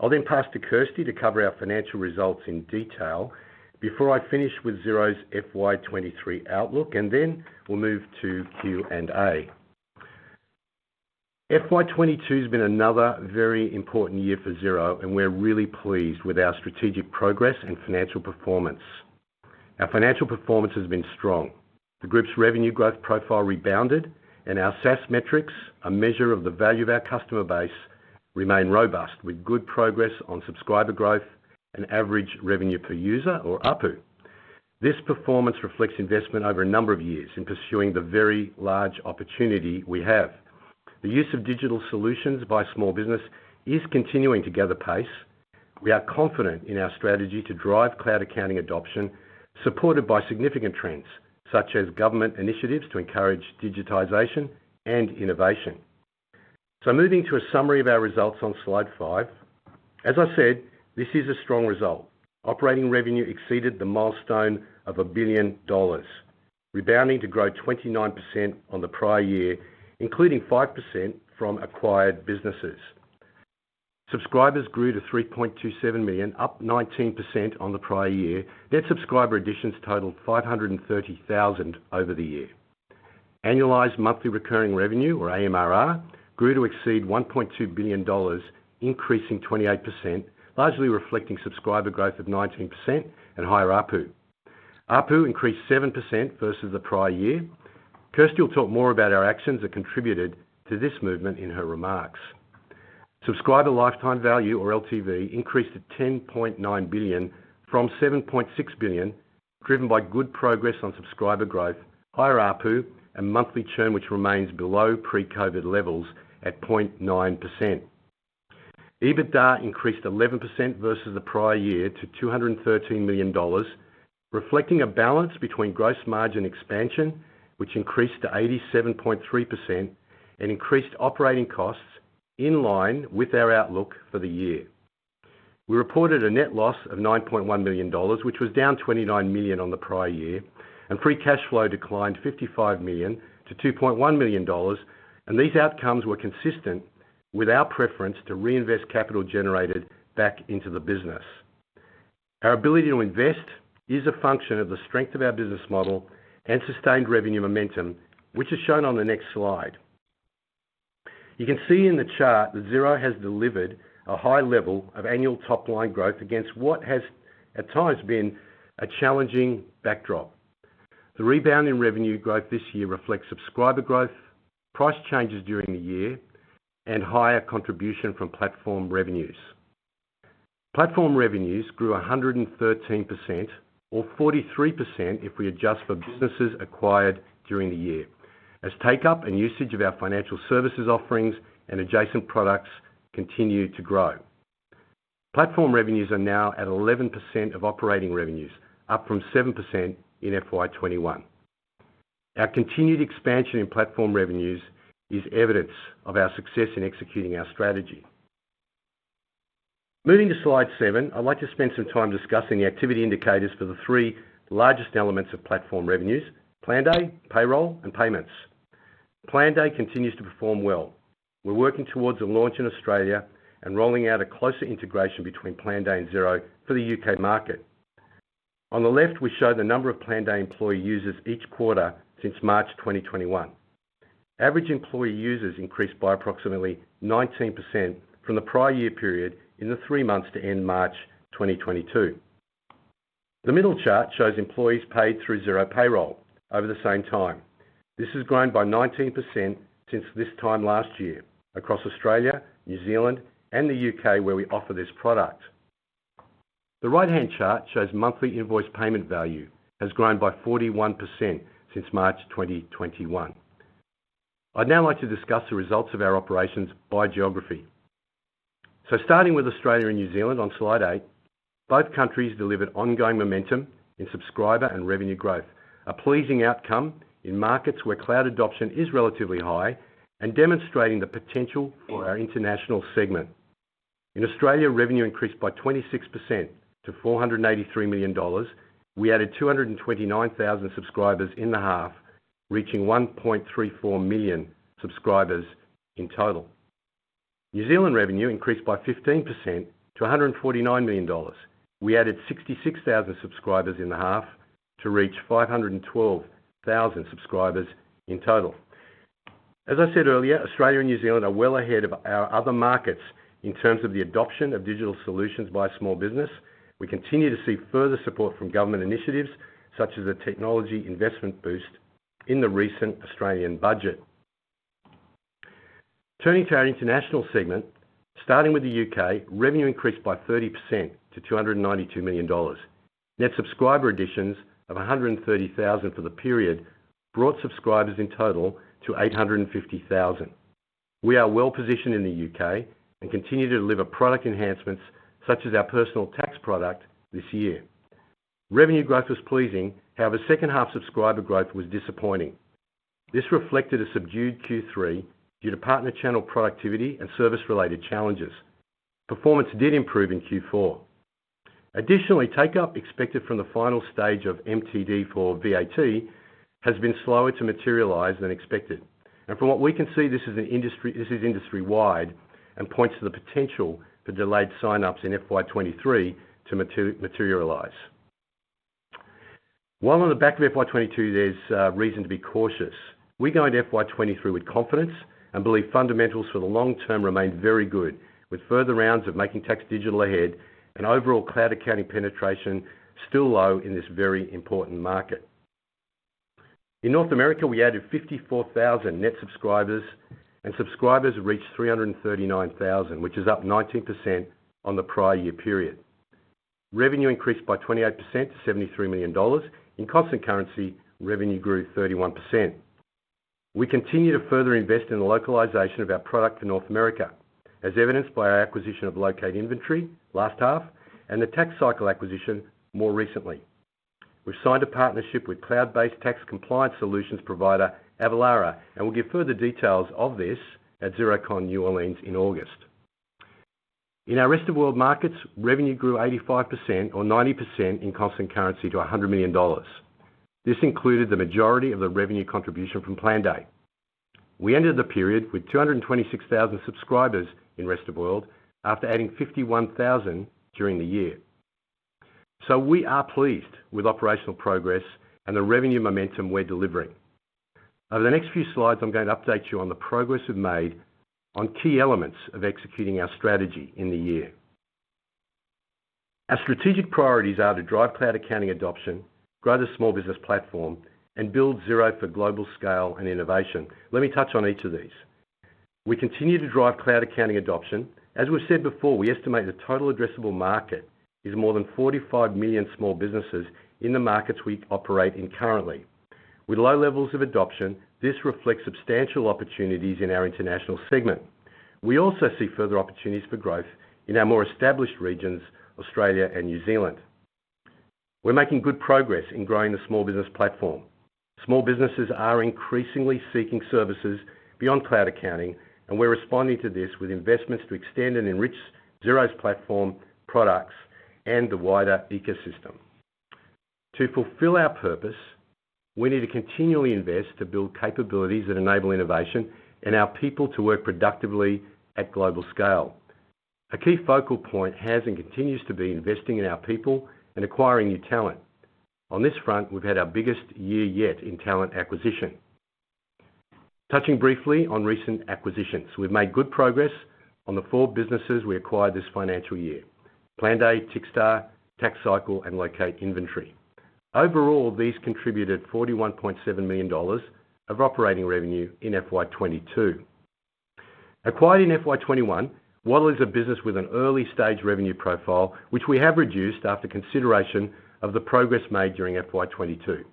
I'll then pass to Kirsty to cover our financial results in detail before I finish with Xero's FY 2023 outlook, and then we'll move to Q&A. FY 2022 has been another very important year for Xero, and we're really pleased with our strategic progress and financial performance. Our financial performance has been strong. The group's revenue growth profile rebounded and our SaaS metrics, a measure of the value of our customer base, remain robust with good progress on subscriber growth and average revenue per user or ARPU. This performance reflects investment over a number of years in pursuing the very large opportunity we have. The use of digital solutions by small business is continuing to gather pace. We are confident in our strategy to drive cloud accounting adoption, supported by significant trends such as government initiatives to encourage digitization and innovation. Moving to a summary of our results on slide five. As I said, this is a strong result. Operating revenue exceeded the milestone of 1 billion dollars, rebounding to grow 29% on the prior year, including 5% from acquired businesses. Subscribers grew to 3.27 million, up 19% on the prior year. Net subscriber additions totaled 530,000 over the year. Annualized monthly recurring revenue, or AMRR, grew to exceed 1.2 billion dollars, increasing 28%, largely reflecting subscriber growth of 19% and higher ARPU. ARPU increased 7% versus the prior year. Kirsty will talk more about our actions that contributed to this movement in her remarks. Subscriber lifetime value, or LTV, increased to 10.9 billion from 7.6 billion, driven by good progress on subscriber growth, higher ARPU, and monthly churn, which remains below pre-COVID levels at 0.9%. EBITDA increased 11% versus the prior year to 213 million dollars, reflecting a balance between gross margin expansion, which increased to 87.3%, and increased operating costs in line with our outlook for the year. We reported a net loss of 9.1 million dollars, which was down 29 million on the prior year, and free cash flow declined 55 million to 2.1 million dollars, and these outcomes were consistent with our preference to reinvest capital generated back into the business. Our ability to invest is a function of the strength of our business model and sustained revenue momentum, which is shown on the next slide. You can see in the chart that Xero has delivered a high level of annual top-line growth against what has at times been a challenging backdrop. The rebound in revenue growth this year reflects subscriber growth, price changes during the year, and higher contribution from platform revenues. Platform revenues grew 113% or 43% if we adjust for businesses acquired during the year, as take-up and usage of our financial services offerings and adjacent products continued to grow. Platform revenues are now at 11% of operating revenues, up from 7% in FY 2021. Our continued expansion in platform revenues is evidence of our success in executing our strategy. Moving to slide seven, I'd like to spend some time discussing the activity indicators for the three largest elements of platform revenues: Planday, Payroll, and Payments. Planday continues to perform well. We're working towards a launch in Australia and rolling out a closer integration between Planday and Xero for the UK market. On the left, we show the number of Planday employee users each quarter since March 2021. Average employee users increased by approximately 19% from the prior year period in the three months to end March 2022. The middle chart shows employees paid through Xero Payroll over the same time. This has grown by 19% since this time last year across Australia, New Zealand, and the UK, where we offer this product. The right-hand chart shows monthly invoice payment value has grown by 41% since March 2021. I'd now like to discuss the results of our operations by geography. Starting with Australia and New Zealand on slide eight, both countries delivered ongoing momentum in subscriber and revenue growth, a pleasing outcome in markets where cloud adoption is relatively high and demonstrating the potential for our international segment. In Australia, revenue increased by 26% to 483 million dollars. We added 229,000 subscribers in the half, reaching 1.34 million subscribers in total. New Zealand revenue increased by 15% to 149 million dollars. We added 66,000 subscribers in the half to reach 512,000 subscribers in total. As I said earlier, Australia and New Zealand are well ahead of our other markets in terms of the adoption of digital solutions by small business. We continue to see further support from government initiatives such as a Technology Investment Boost in the recent Australian budget. Turning to our international segment, starting with the UK, revenue increased by 30% to 292 million dollars. Net subscriber additions of 130,000 for the period brought subscribers in total to 850,000. We are well-positioned in the UK and continue to deliver product enhancements such as our personal tax product this year. Revenue growth was pleasing. However, second half subscriber growth was disappointing. This reflected a subdued Q3 due to partner channel productivity and service-related challenges. Performance did improve in Q4. Additionally, take-up expected from the final stage of MTD for VAT has been slower to materialize than expected. From what we can see, this is industry-wide and points to the potential for delayed sign-ups in FY 2023 to materialize. While on the back of FY 2022, there's reason to be cautious, we go into FY 2023 with confidence and believe fundamentals for the long term remain very good, with further rounds of Making Tax Digital ahead and overall cloud accounting penetration still low in this very important market. In North America, we added 54,000 net subscribers, and subscribers reached 339,000, which is up 19% on the prior year period. Revenue increased by 28% to 73 million dollars. In constant currency, revenue grew 31%. We continue to further invest in the localization of our product in North America, as evidenced by our acquisition of LOCATE Inventory last half and the TaxCycle acquisition more recently. We've signed a partnership with cloud-based tax compliance solutions provider Avalara, and we'll give further details of this at Xerocon New Orleans in August. In our rest of world markets, revenue grew 85% or 90% in constant currency to 100 million dollars. This included the majority of the revenue contribution from Planday. We ended the period with 226,000 subscribers in rest of world after adding 51,000 during the year. We are pleased with operational progress and the revenue momentum we're delivering. Over the next few slides, I'm going to update you on the progress we've made on key elements of executing our strategy in the year. Our strategic priorities are to drive cloud accounting adoption, grow the small business platform, and build Xero for global scale and innovation. Let me touch on each of these. We continue to drive cloud accounting adoption. As we've said before, we estimate the total addressable market is more than 45 million small businesses in the markets we operate in currently. With low levels of adoption, this reflects substantial opportunities in our international segment. We also see further opportunities for growth in our more established regions, Australia and New Zealand. We're making good progress in growing the small business platform. Small businesses are increasingly seeking services beyond cloud accounting, and we're responding to this with investments to extend and enrich Xero's platform products and the wider ecosystem. To fulfill our purpose, we need to continually invest to build capabilities that enable innovation and our people to work productively at global scale. A key focal point has and continues to be investing in our people and acquiring new talent. On this front, we've had our biggest year yet in talent acquisition. Touching briefly on recent acquisitions. We've made good progress on the four businesses we acquired this financial year: Planday, Tickstar, TaxCycle, and LOCATE Inventory. Overall, these contributed NZD 41.7 million of operating revenue in FY 2022. Acquired in FY 2021, Waddle is a business with an early-stage revenue profile, which we have reduced after consideration of the progress made during FY 2022.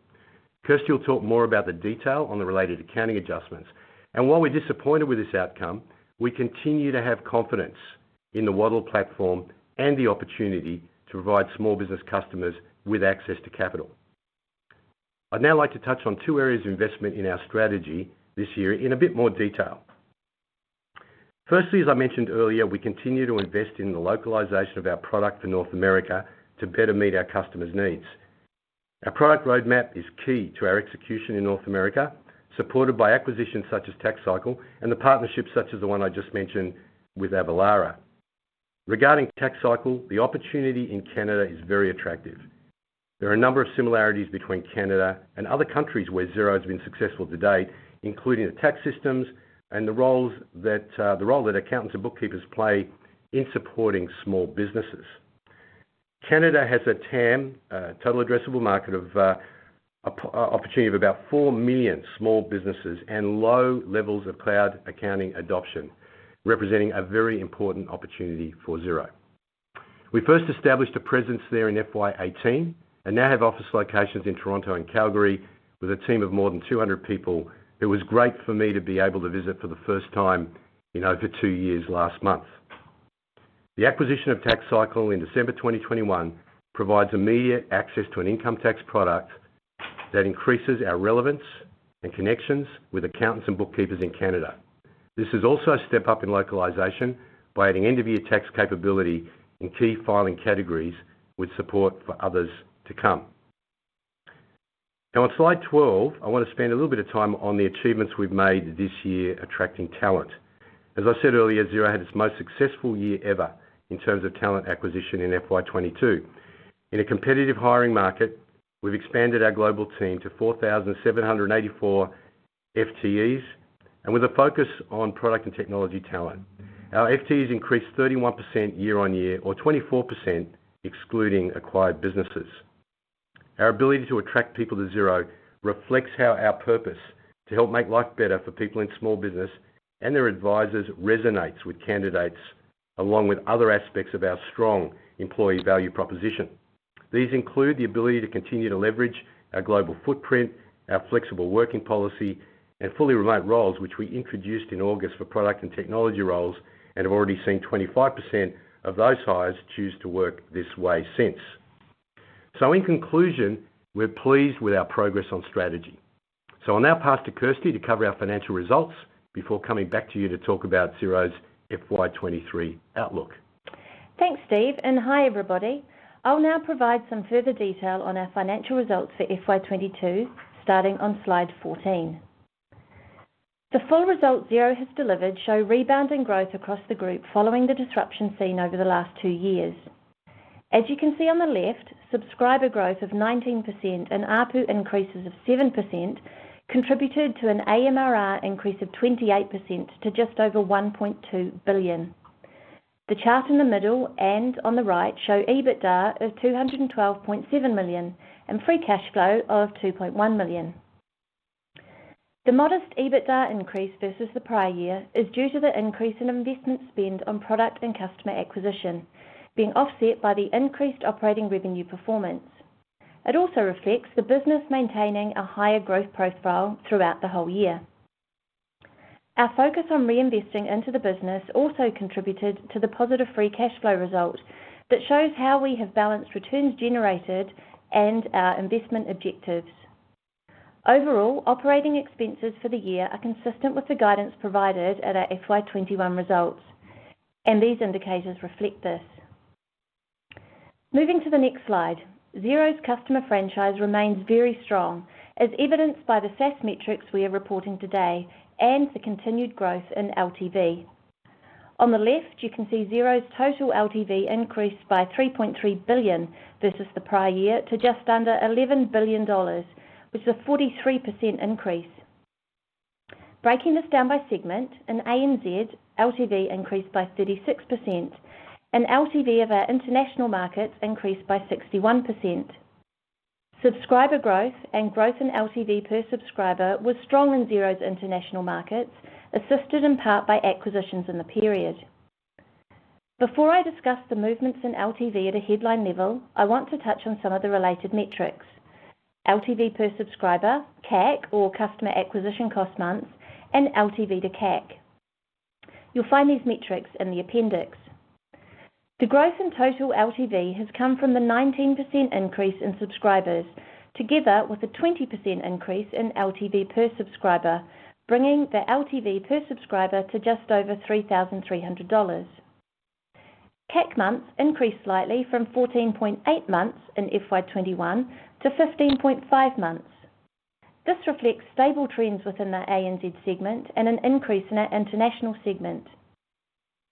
Kirsty will talk more about the detail on the related accounting adjustments. While we're disappointed with this outcome, we continue to have confidence in the Waddle platform and the opportunity to provide small business customers with access to capital. I'd now like to touch on two areas of investment in our strategy this year in a bit more detail. Firstly, as I mentioned earlier, we continue to invest in the localization of our product for North America to better meet our customers' needs. Our product roadmap is key to our execution in North America, supported by acquisitions such as TaxCycle and the partnerships such as the one I just mentioned with Avalara. Regarding TaxCycle, the opportunity in Canada is very attractive. There are a number of similarities between Canada and other countries where Xero has been successful to date, including the tax systems and the role that accountants and bookkeepers play in supporting small businesses. Canada has a TAM, Total Addressable Market of opportunity of about 4 million small businesses and low levels of cloud accounting adoption, representing a very important opportunity for Xero. We first established a presence there in FY 2018 and now have office locations in Toronto and Calgary with a team of more than 200 people. It was great for me to be able to visit for the first time in over two years last month. The acquisition of TaxCycle in December 2021 provides immediate access to an income tax product that increases our relevance and connections with accountants and bookkeepers in Canada. This is also a step up in localization by adding end-of-year tax capability in key filing categories with support for others to come. Now on slide 12, I wanna spend a little bit of time on the achievements we've made this year attracting talent. As I said earlier, Xero had its most successful year ever in terms of talent acquisition in FY 2022. In a competitive hiring market, we've expanded our global team to 4,784 FTEs, and with a focus on product and technology talent. Our FTEs increased 31% year-on year-or 24% excluding acquired businesses. Our ability to attract people to Xero reflects how our purpose to help make life better for people in small business and their advisors resonates with candidates, along with other aspects of our strong employee value proposition. These include the ability to continue to leverage our global footprint, our flexible working policy, and fully remote roles, which we introduced in August for product and technology roles and have already seen 25% of those hires choose to work this way since. In conclusion, we're pleased with our progress on strategy. I'll now pass to Kirsty to cover our financial results before coming back to you to talk about Xero's FY 23 outlook. Thanks, Steve, and hi everybody. I'll now provide some further detail on our financial results for FY 2022, starting on slide 14. The full results Xero has delivered show rebounding growth across the group following the disruption seen over the last two years. As you can see on the left, subscriber growth of 19% and ARPU increases of 7% contributed to an AMRR increase of 28% to just over 1.2 billion. The chart in the middle and on the right show EBITDA of 212.7 million and free cash flow of 2.1 million. The modest EBITDA increase versus the prior year is due to the increase in investment spend on product and customer acquisition being offset by the increased operating revenue performance. It also reflects the business maintaining a higher growth profile throughout the whole year. Our focus on reinvesting into the business also contributed to the positive free cash flow result that shows how we have balanced returns generated and our investment objectives. Overall, operating expenses for the year are consistent with the guidance provided at our FY 2021 results, and these indicators reflect this. Moving to the next slide, Xero's customer franchise remains very strong, as evidenced by the SaaS metrics we are reporting today and the continued growth in LTV. On the left, you can see Xero's total LTV increased by 3.3 billion versus the prior year to just under 11 billion dollars, which is a 43% increase. Breaking this down by segment, in ANZ, LTV increased by 36% and LTV of our international markets increased by 61%. Subscriber growth and growth in LTV per subscriber was strong in Xero's international markets, assisted in part by acquisitions in the period. Before I discuss the movements in LTV at a headline level, I want to touch on some of the related metrics. LTV per subscriber, CAC or customer acquisition cost months, and LTV to CAC. You'll find these metrics in the appendix. The growth in total LTV has come from the 19% increase in subscribers together with a 20% increase in LTV per subscriber, bringing the LTV per subscriber to just over 3,300 dollars. CAC months increased slightly from 14.8 months in FY 2021 to 15.5 months. This reflects stable trends within the ANZ segment and an increase in our international segment.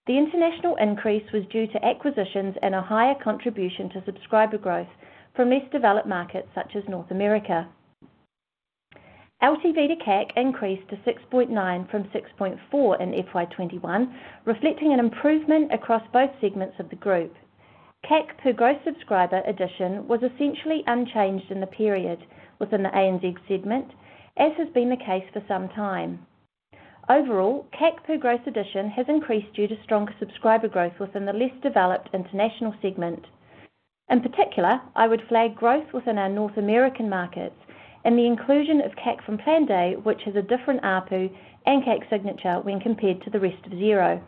The international increase was due to acquisitions and a higher contribution to subscriber growth from less developed markets such as North America. LTV to CAC increased to 6.9 from 6.4 in FY 2021, reflecting an improvement across both segments of the group. CAC per gross subscriber addition was essentially unchanged in the period within the ANZ segment, as has been the case for some time. Overall, CAC per gross addition has increased due to stronger subscriber growth within the less developed international segment. In particular, I would flag growth within our North American markets and the inclusion of CAC from Planday, which is a different ARPU and CAC signature when compared to the rest of Xero.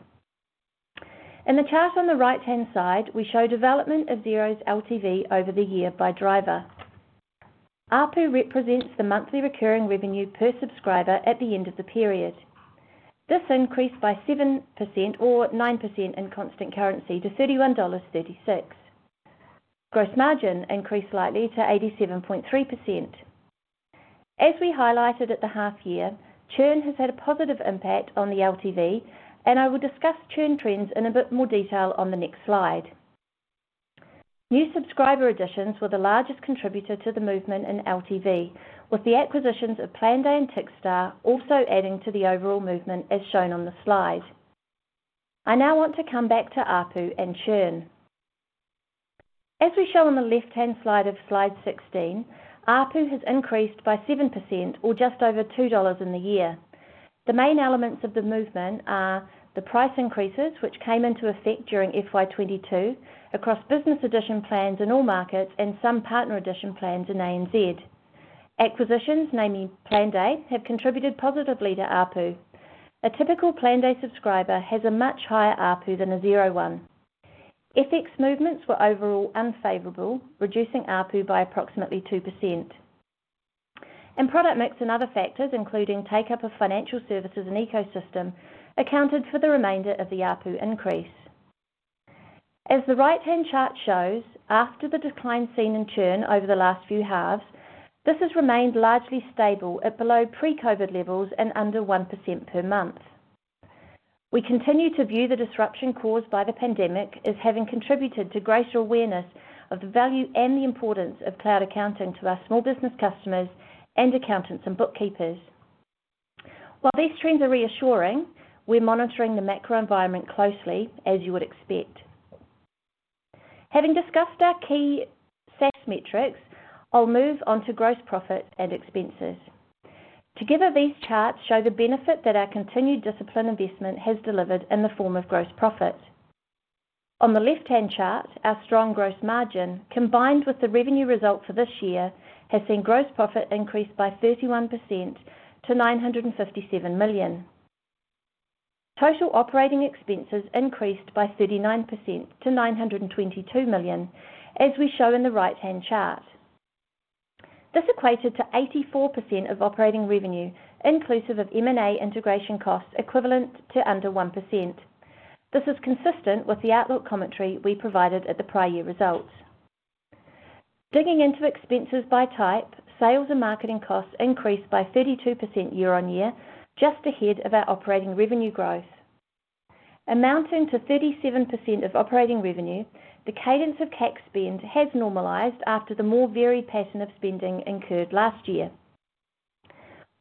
In the chart on the right-hand side, we show development of Xero's LTV over the year by driver. ARPU represents the monthly recurring revenue per subscriber at the end of the period. This increased by 7% or 9% in constant currency to 31.36 dollars. Gross margin increased slightly to 87.3%. As we highlighted at the half year, churn has had a positive impact on the LTV, and I will discuss churn trends in a bit more detail on the next slide. New subscriber additions were the largest contributor to the movement in LTV, with the acquisitions of Planday and Tickstar also adding to the overall movement as shown on the slide. I now want to come back to ARPU and churn. As we show on the left-hand side of slide 16, ARPU has increased by 7% or just over 2 dollars in the year. The main elements of the movement are the price increases which came into effect during FY 2022 across business edition plans in all markets and some partner edition plans in ANZ. Acquisitions, namely Planday, have contributed positively to ARPU. A typical Planday subscriber has a much higher ARPU than a Xero one. FX movements were overall unfavorable, reducing ARPU by approximately 2%. Product mix and other factors, including take-up of financial services and ecosystem, accounted for the remainder of the ARPU increase. As the right-hand chart shows, after the decline seen in churn over the last few halves, this has remained largely stable at below pre-COVID levels and under 1% per month. We continue to view the disruption caused by the pandemic as having contributed to greater awareness of the value and the importance of cloud accounting to our small business customers and accountants and bookkeepers. While these trends are reassuring, we're monitoring the macro environment closely, as you would expect. Having discussed our key SaaS metrics, I'll move on to gross profit and expenses. Together, these charts show the benefit that our continued discipline investment has delivered in the form of gross profit. On the left-hand chart, our strong gross margin, combined with the revenue results for this year, has seen gross profit increase by 31% to 957 million. Total operating expenses increased by 39% to 922 million, as we show in the right-hand chart. This equated to 84% of operating revenue, inclusive of M&A integration costs equivalent to under 1%. This is consistent with the outlook commentary we provided at the prior year results. Digging into expenses by type, sales and marketing costs increased by 32% year-on-year, just ahead of our operating revenue growth. Amounting to 37% of operating revenue, the cadence of CAC spend has normalized after the more varied pattern of spending incurred last year.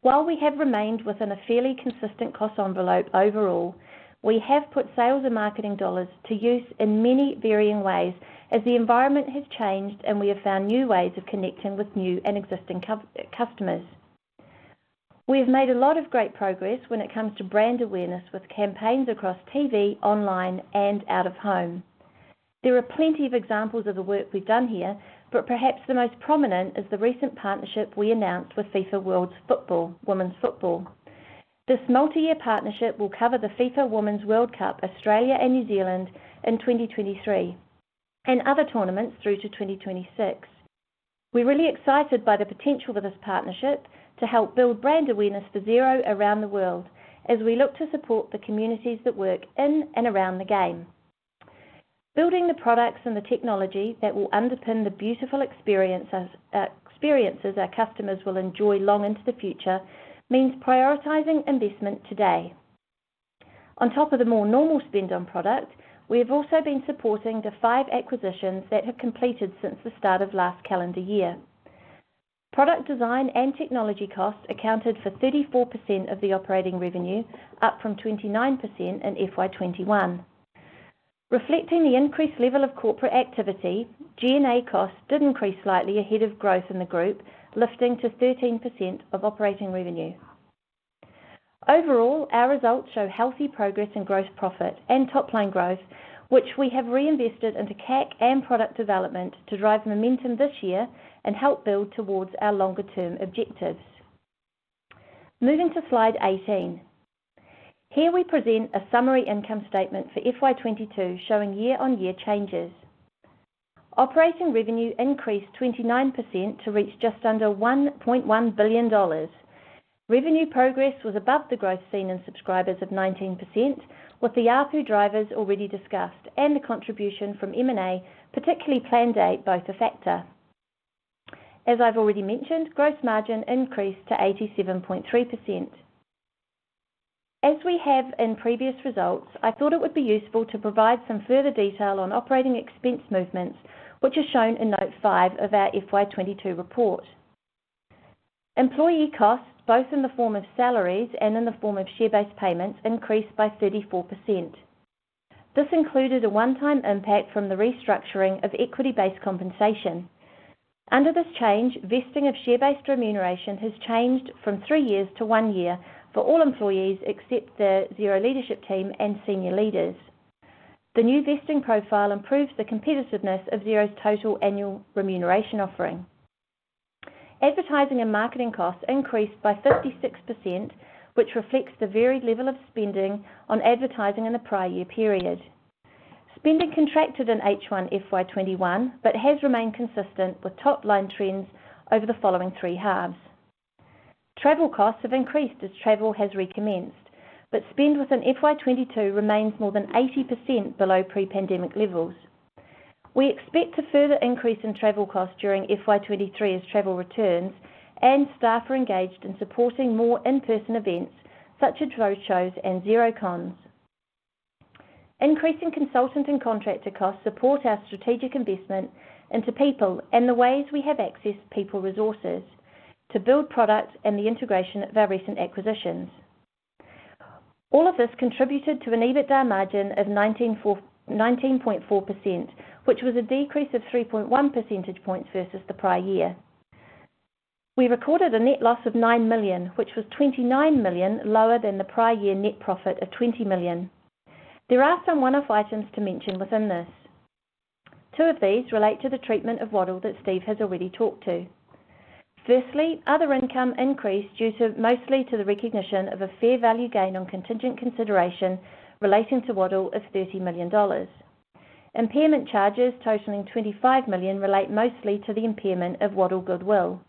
While we have remained within a fairly consistent cost envelope overall, we have put sales and marketing dollars to use in many varying ways as the environment has changed and we have found new ways of connecting with new and existing customers. We have made a lot of great progress when it comes to brand awareness with campaigns across TV, online, and out of home. There are plenty of examples of the work we've done here, but perhaps the most prominent is the recent partnership we announced with FIFA Women's Football. This multi-year partnership will cover the FIFA Women's World Cup Australia and New Zealand in 2023, and other tournaments through to 2026. We're really excited by the potential for this partnership to help build brand awareness for Xero around the world as we look to support the communities that work in and around the game. Building the products and the technology that will underpin the beautiful experiences our customers will enjoy long into the future means prioritizing investment today. On top of the more normal spend on product, we have also been supporting the five acquisitions that have completed since the start of last calendar year. Product design and technology costs accounted for 34% of the operating revenue, up from 29% in FY 2021. Reflecting the increased level of corporate activity, G&A costs did increase slightly ahead of growth in the group, lifting to 13% of operating revenue. Overall, our results show healthy progress in gross profit and top-line growth, which we have reinvested into CAC and product development to drive momentum this year and help build towards our longer-term objectives. Moving to slide 18. Here we present a summary income statement for FY 2022 showing year-on-year changes. Operating revenue increased 29% to reach just under 1.1 billion dollars. Revenue progress was above the growth seen in subscribers of 19%, with the ARPU drivers already discussed and the contribution from M&A, particularly Planday, both a factor. As I've already mentioned, gross margin increased to 87.3%. As we have in previous results, I thought it would be useful to provide some further detail on operating expense movements, which are shown in note five of our FY 2022 report. Employee costs, both in the form of salaries and in the form of share-based payments, increased by 34%. This included a one-time impact from the restructuring of equity-based compensation. Under this change, vesting of share-based remuneration has changed from three years to one year for all employees except the Xero leadership team and senior leaders. The new vesting profile improves the competitiveness of Xero's total annual remuneration offering. Advertising and marketing costs increased by 56%, which reflects the varied level of spending on advertising in the prior year period. Spending contracted in H1 FY 2021, but has remained consistent with top-line trends over the following three halves. Travel costs have increased as travel has recommenced, but spend within FY 2022 remains more than 80% below pre-pandemic levels. We expect a further increase in travel costs during FY 2023 as travel returns and staff are engaged in supporting more in-person events such as roadshows and Xerocons. Increasing consultant and contractor costs support our strategic investment into people and the ways we have accessed people resources to build products and the integration of our recent acquisitions. All of this contributed to an EBITDA margin of 19.4%, which was a decrease of 3.1 percentage points versus the prior year. We recorded a net loss of 9 million, which was 29 million lower than the prior year net profit of 20 million. There are some one-off items to mention within this. Two of these relate to the treatment of Waddle that Steve has already talked to. Firstly, other income increased due to mostly to the recognition of a fair value gain on contingent consideration relating to Waddle of 30 million dollars. Impairment charges totaling 25 million relate mostly to the impairment of Waddle goodwill.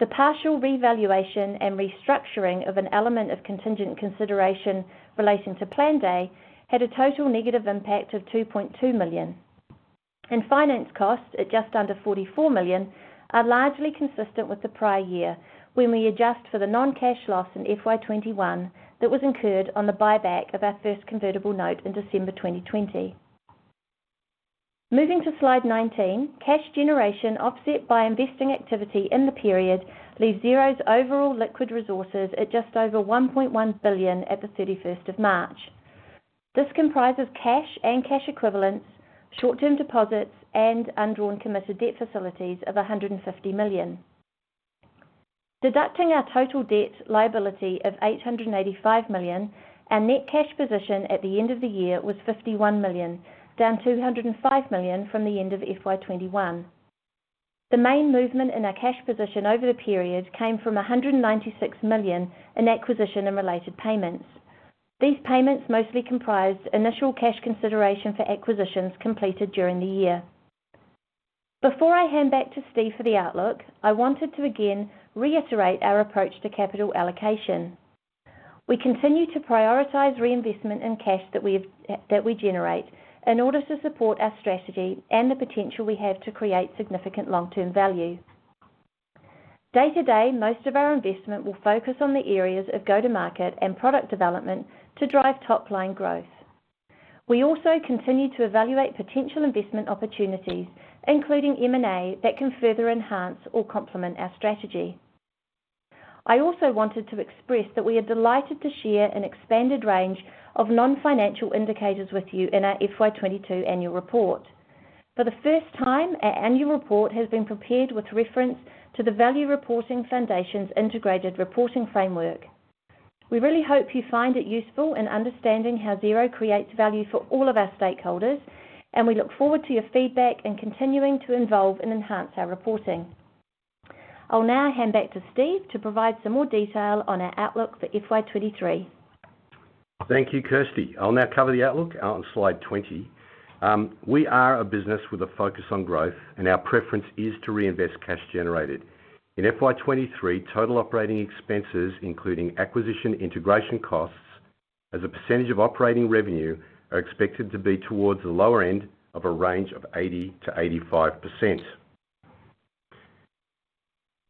The partial revaluation and restructuring of an element of contingent consideration relating to Planday had a total negative impact of 2.2 million. Finance costs, at just under 44 million, are largely consistent with the prior year, when we adjust for the non-cash loss in FY 2021 that was incurred on the buyback of our first convertible note in December 2020. Moving to slide 19. Cash generation offset by investing activity in the period leaves Xero's overall liquid resources at just over 1.1 billion at the 31st of March. This comprises cash and cash equivalents, short-term deposits, and undrawn committed debt facilities of 150 million. Deducting our total debt liability of 885 million, our net cash position at the end of the year was 51 million, down 205 million from the end of FY 2021. The main movement in our cash position over the period came from 196 million in acquisition and related payments. These payments mostly comprised initial cash consideration for acquisitions completed during the year. Before I hand back to Steve for the outlook, I wanted to again reiterate our approach to capital allocation. We continue to prioritize reinvestment and cash that we've, that we generate in order to support our strategy and the potential we have to create significant long-term value. Day-to-day, most of our investment will focus on the areas of go-to market and product development to drive top-line growth. We also continue to evaluate potential investment opportunities, including M&A, that can further enhance or complement our strategy. I also wanted to express that we are delighted to share an expanded range of non-financial indicators with you in our FY 2022 annual report. For the first time, our annual report has been prepared with reference to the Value Reporting Foundation's integrated reporting framework. We really hope you find it useful in understanding how Xero creates value for all of our stakeholders, and we look forward to your feedback in continuing to involve and enhance our reporting. I'll now hand back to Steve to provide some more detail on our outlook for FY 2023. Thank you, Kirsty. I'll now cover the outlook on slide 20. We are a business with a focus on growth, and our preference is to reinvest cash generated. In FY 2023, total operating expenses, including acquisition integration costs as a percentage of operating revenue, are expected to be towards the lower end of a range of 80%-85%.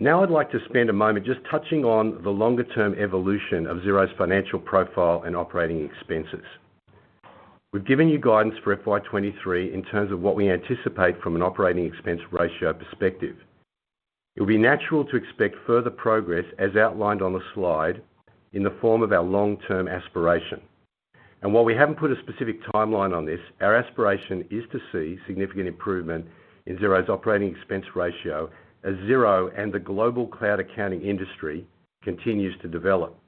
Now I'd like to spend a moment just touching on the longer-term evolution of Xero's financial profile and operating expenses. We've given you guidance for FY 2023 in terms of what we anticipate from an operating expense ratio perspective. It will be natural to expect further progress as outlined on the slide in the form of our long-term aspiration. While we haven't put a specific timeline on this, our aspiration is to see significant improvement in Xero's operating expense ratio as Xero and the global cloud accounting industry continues to develop.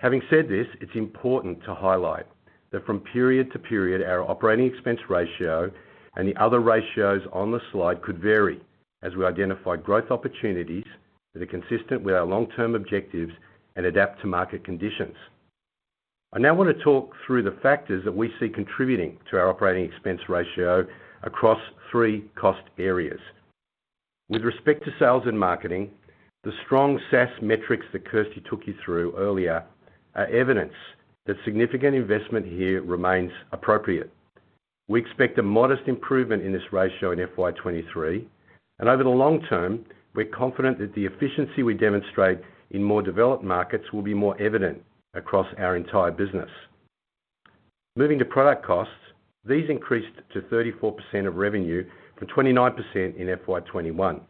Having said this, it's important to highlight that from period to period, our operating expense ratio and the other ratios on the slide could vary as we identify growth opportunities that are consistent with our long-term objectives and adapt to market conditions. I now wanna talk through the factors that we see contributing to our operating expense ratio across three cost areas. With respect to sales and marketing, the strong SaaS metrics that Kirsty took you through earlier are evidence that significant investment here remains appropriate. We expect a modest improvement in this ratio in FY 2023, and over the long term, we're confident that the efficiency we demonstrate in more developed markets will be more evident across our entire business. Moving to product costs, these increased to 34% of revenue from 29% in FY 2021.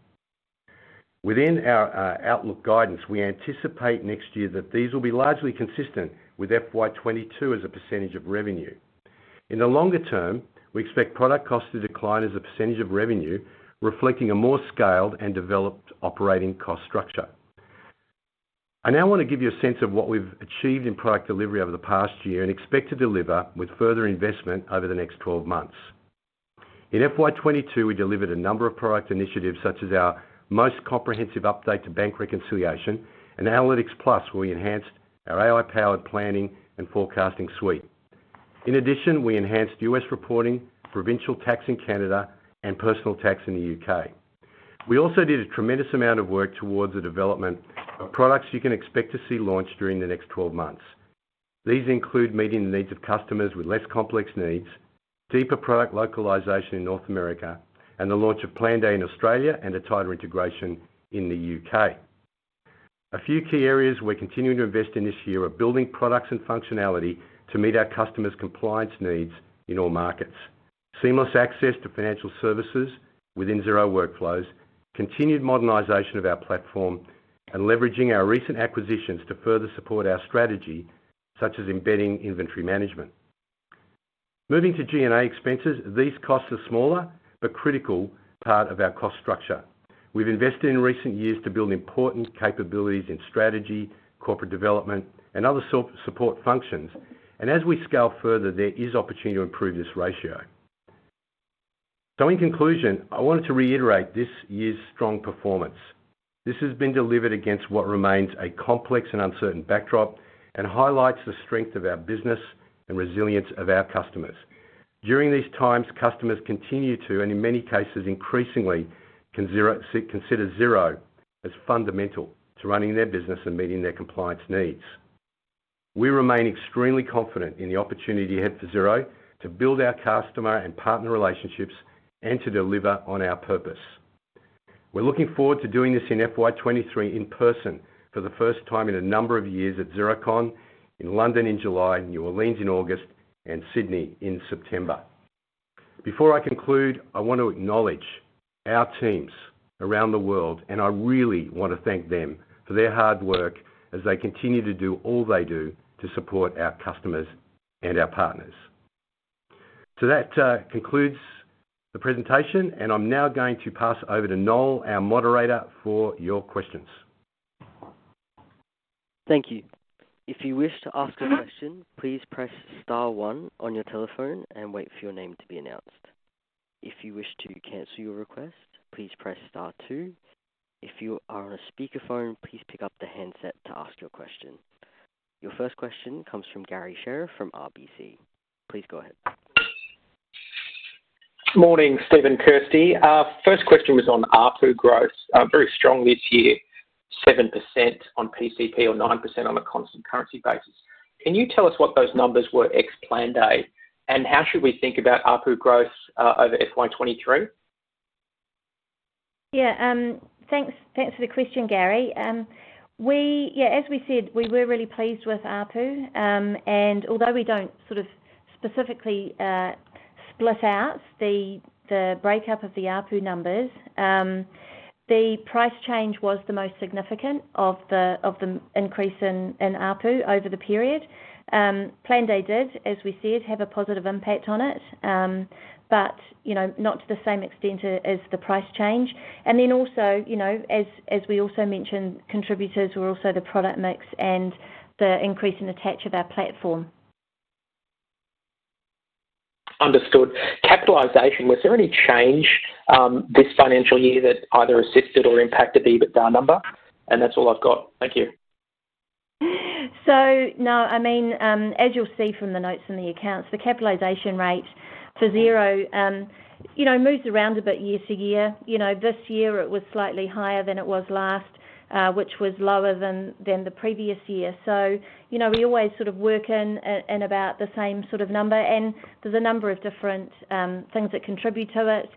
Within our outlook guidance, we anticipate next year that these will be largely consistent with FY 2022 as a percentage of revenue. In the longer term, we expect product costs to decline as a percentage of revenue, reflecting a more scaled and developed operating cost structure. I now wanna give you a sense of what we've achieved in product delivery over the past year and expect to deliver with further investment over the next 12 months. In FY 2022, we delivered a number of product initiatives, such as our most comprehensive update to bank reconciliation and Analytics Plus, where we enhanced our AI-powered planning and forecasting suite. In addition, we enhanced US reporting, provincial tax in Canada, and personal tax in the UK. We also did a tremendous amount of work towards the development of products you can expect to see launched during the next 12 months. These include meeting the needs of customers with less complex needs, deeper product localization in North America, and the launch of Planday in Australia and a tighter integration in the UK. A few key areas we're continuing to invest in this year are building products and functionality to meet our customers' compliance needs in all markets, seamless access to financial services within Xero workflows, continued modernization of our platform, and leveraging our recent acquisitions to further support our strategy, such as embedding inventory management. Moving to G&A expenses, these costs are smaller but critical part of our cost structure. We've invested in recent years to build important capabilities in strategy, corporate development, and other support functions, and as we scale further, there is opportunity to improve this ratio. In conclusion, I wanted to reiterate this year's strong performance. This has been delivered against what remains a complex and uncertain backdrop and highlights the strength of our business and resilience of our customers. During these times, customers continue to, and in many cases increasingly consider Xero as fundamental to running their business and meeting their compliance needs. We remain extremely confident in the opportunity ahead for Xero to build our customer and partner relationships and to deliver on our purpose. We're looking forward to doing this in FY 2023 in person for the first time in a number of years at Xerocon in London in July, New Orleans in August, and Sydney in September. Before I conclude, I want to acknowledge our teams around the world, and I really want to thank them for their hard work as they continue to do all they do to support our customers and our partners. That concludes the presentation, and I'm now going to pass over to Noel, our moderator, for your questions. Thank you. If you wish to ask a question, please press star one on your telephone and wait for your name to be announced. If you wish to cancel your request, please press star two. If you are on a speakerphone, please pick up the handset to ask your question. Your first question comes from Garry Sherriff from RBC. Please go ahead. Morning, Steve and Kirsty. Our first question was on ARPU growth, very strong this year, 7% on PCP or 9% on a constant currency basis. Can you tell us what those numbers were ex Planday? And how should we think about ARPU growth over FY 2023? Yeah. Thanks for the question, Garry. Yeah, as we said, we were really pleased with ARPU. Although we don't sort of specifically split out the breakup of the ARPU numbers, the price change was the most significant of the increase in ARPU over the period. Planday did, as we said, have a positive impact on it. You know, not to the same extent as the price change. Also, you know, as we also mentioned, contributors were also the product mix and the increase in attach of our platform. Understood. Capitalization, was there any change this financial year that either assisted or impacted the EBITDA number? That's all I've got. Thank you. No, I mean, as you'll see from the notes in the accounts, the capitalization rate for Xero, you know, moves around a bit year to year. You know, this year it was slightly higher than it was last, which was lower than the previous year. You know, we always sort of work in in about the same sort of number, and there's a number of different things that contribute to it,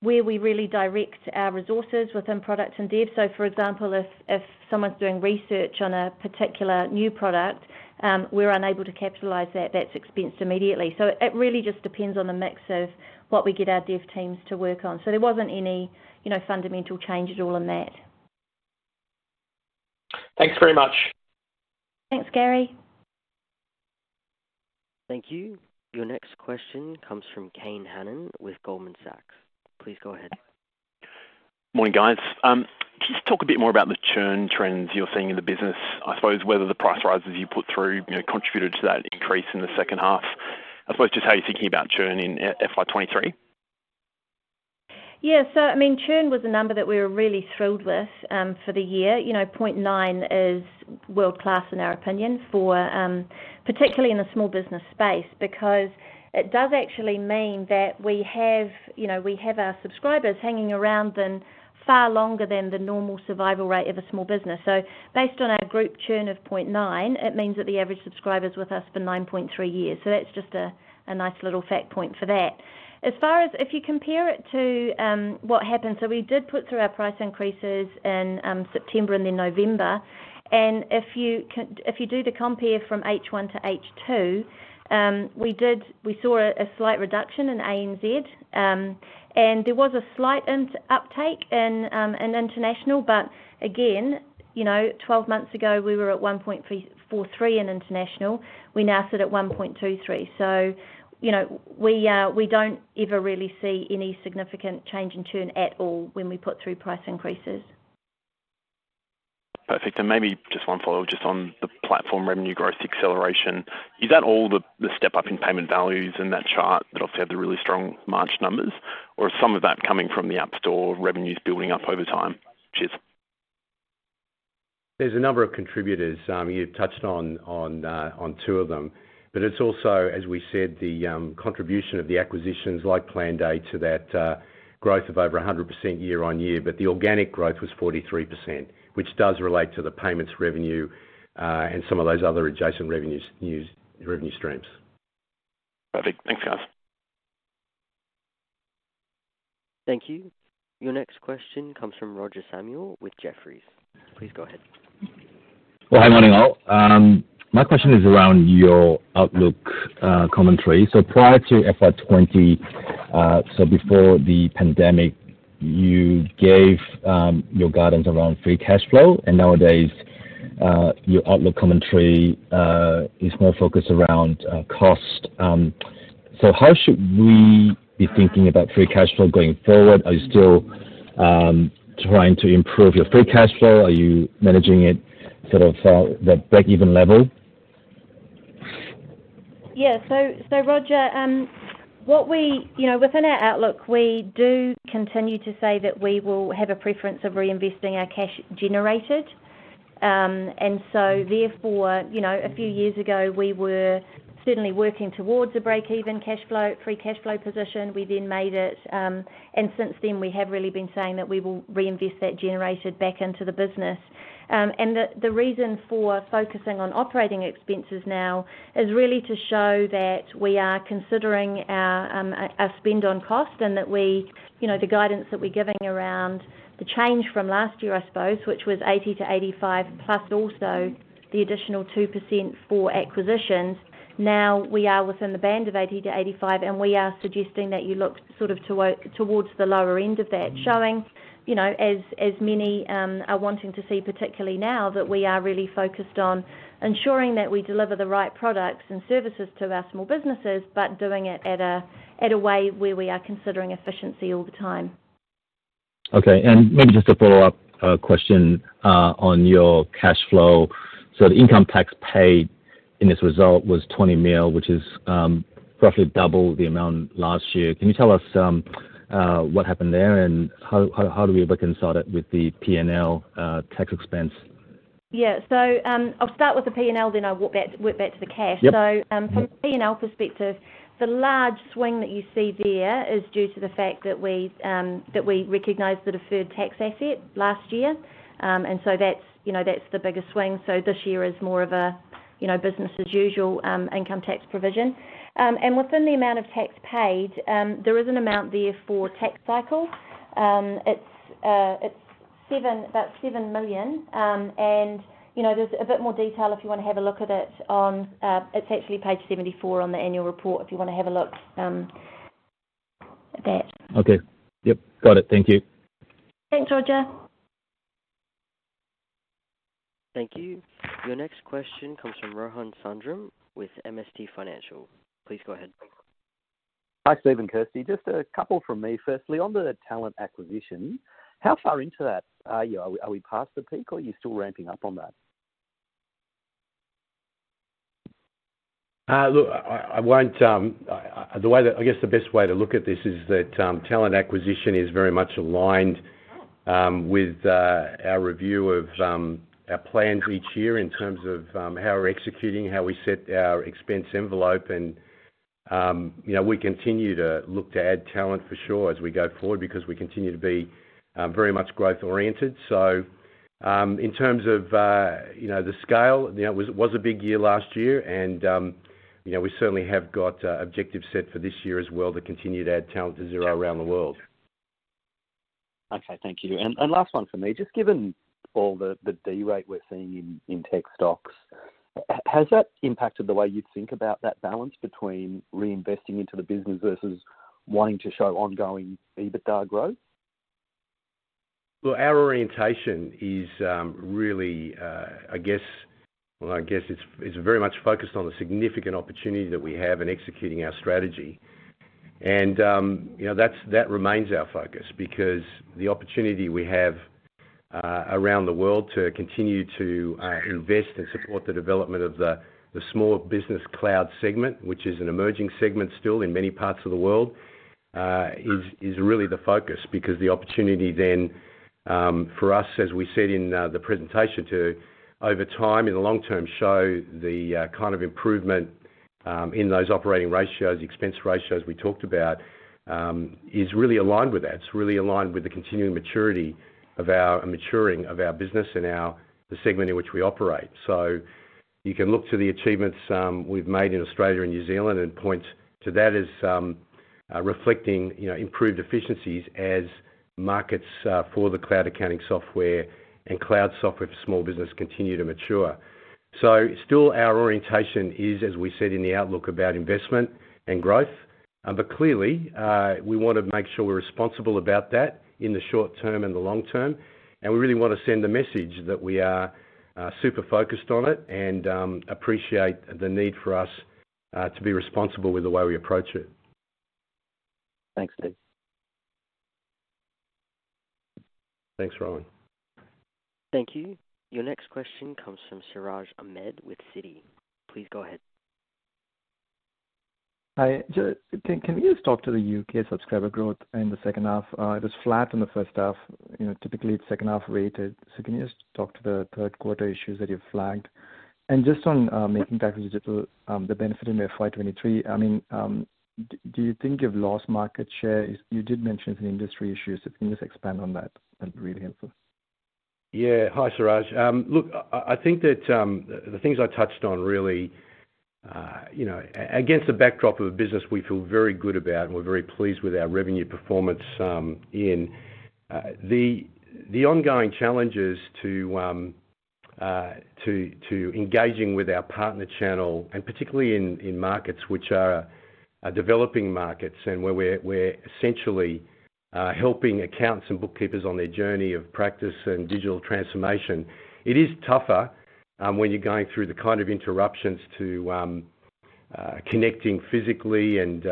where we really direct our resources within product and dev. For example, if someone's doing research on a particular new product, we're unable to capitalize that's expensed immediately. It really just depends on the mix of what we get our dev teams to work on. There wasn't any, you know, fundamental change at all in that. Thanks very much. Thanks, Garry. Thank you. Your next question comes from Kane Hannan with Goldman Sachs. Please go ahead. Morning, guys. Can you just talk a bit more about the churn trends you're seeing in the business? I suppose whether the price rises you put through, you know, contributed to that increase in the second half. I suppose just how you're thinking about churn in FY 2023? Yeah. I mean, churn was a number that we were really thrilled with for the year. You know, 0.9% is world-class in our opinion for particularly in the small business space, because it does actually mean that we have our subscribers hanging around far longer than the normal survival rate of a small business. Based on our group churn of 0.9%, it means that the average subscriber is with us for 9.3 years. That's just a nice little fact point for that. If you compare it to what happened, we did put through our price increases in September and then November. If you do the compare from H1 to H2, we saw a slight reduction in ANZ. There was a slight uptake in international, but again, you know, 12 months ago, we were at 1.43% in international. We now sit at 1.23%. You know, we don't ever really see any significant change in churn at all when we put through price increases. Perfect. Maybe just one follow just on the platform revenue growth acceleration. Is that all the step-up in payment values in that chart that obviously had the really strong March numbers, or is some of that coming from the App Store revenues building up over time? Cheers. There's a number of contributors. You touched on two of them. It's also, as we said, the contribution of the acquisitions like Planday to that growth of over 100% year-on-year. The organic growth was 43%, which does relate to the Payments revenue, and some of those other adjacent revenue streams. Perfect. Thanks, guys. Thank you. Your next question comes from Roger Samuel with Jefferies. Please go ahead. Well, hi, morning all. My question is around your outlook commentary. Prior to FY 2020, before the pandemic, you gave your guidance around free cash flow, and nowadays your outlook commentary is more focused around cost. How should we be thinking about free cash flow going forward? Are you still trying to improve your free cash flow? Are you managing it sort of the breakeven level? Roger, you know, within our outlook, we do continue to say that we will have a preference of reinvesting our cash generated. Therefore, you know, a few years ago, we were certainly working towards a breakeven cash flow, free cash flow position. We then made it, and since then, we have really been saying that we will reinvest that generated back into the business. The reason for focusing on operating expenses now is really to show that we are considering our spend on cost and that we, you know, the guidance that we're giving around the change from last year, I suppose, which was 80%-85%, plus also the additional 2% for acquisitions. Now we are within the band of 80%-85%, and we are suggesting that you look sort of towards the lower end of that, showing, you know, as many are wanting to see, particularly now, that we are really focused on ensuring that we deliver the right products and services to our small businesses, but doing it at a way where we are considering efficiency all the time. Okay. Maybe just a follow-up question on your cash flow. The income tax paid in this result was 20 million, which is roughly double the amount last year. Can you tell us what happened there, and how do we reconcile that with the P&L tax expense? I'll start with the P&L, then I'll work back to the cash. Yep. From a P&L perspective, the large swing that you see there is due to the fact that we recognized the deferred tax asset last year. That's, you know, that's the biggest swing. This year is more of a, you know, business as usual, income tax provision. Within the amount of tax paid, there is an amount there for TaxCycle. It's about 7 million. You know, there's a bit more detail if you wanna have a look at it on, it's actually page 74 on the annual report if you wanna have a look at that. Okay. Yep. Got it. Thank you. Thanks, Roger. Thank you. Your next question comes from Rohan Sundram with MST Financial. Please go ahead. Hi, Steve and Kirsty. Just a couple from me. Firstly, on the talent acquisition, how far into that are you? Are we past the peak or are you still ramping up on that? I guess the best way to look at this is that talent acquisition is very much aligned with our review of our plans each year in terms of how we're executing, how we set our expense envelope and, you know, we continue to look to add talent for sure as we go forward because we continue to be very much growth oriented. In terms of, you know, the scale, you know, it was a big year last year and, you know, we certainly have got objectives set for this year as well to continue to add talent to Xero around the world. Okay. Thank you. Last one for me. Just given all the derate we're seeing in tech stocks, has that impacted the way you think about that balance between reinvesting into the business versus wanting to show ongoing EBITDA growth? Well, our orientation is really, I guess, very much focused on the significant opportunity that we have in executing our strategy. You know, that remains our focus because the opportunity we have around the world to continue to invest and support the development of the small business cloud segment, which is an emerging segment still in many parts of the world, is really the focus. The opportunity then for us, as we said in the presentation to, over time, in the long term, show the kind of improvement in those operating ratios, expense ratios we talked about, is really aligned with that. It's really aligned with the continuing maturing of our business and the segment in which we operate. You can look to the achievements we've made in Australia and New Zealand and point to that as reflecting, you know, improved efficiencies as markets for the cloud accounting software and cloud software for small business continue to mature. Still our orientation is, as we said in the outlook, about investment and growth. Clearly, we want to make sure we're responsible about that in the short term and the long term, and we really wanna send a message that we are super focused on it and appreciate the need for us to be responsible with the way we approach it. Thanks, Steve. Thanks, Rohan. Thank you. Your next question comes from Siraj Ahmed with Citi. Please go ahead. Hi. Can you just talk to the UK subscriber growth in the second half? It was flat in the first half. You know, typically it's second half weighted. Can you just talk to the third quarter issues that you've flagged? Just on Making Tax Digital, the benefit in their FY 2023, I mean, do you think you've lost market share? You did mention some industry issues, so can you just expand on that? That'd be really helpful. Yeah. Hi, Siraj. Look, I think that the things I touched on really, you know, against the backdrop of a business we feel very good about and we're very pleased with our revenue performance, in the ongoing challenges to engaging with our partner channel, and particularly in markets which are developing markets and where we're essentially helping accountants and bookkeepers on their journey of practice and digital transformation. It is tougher when you're going through the kind of interruptions to connecting physically and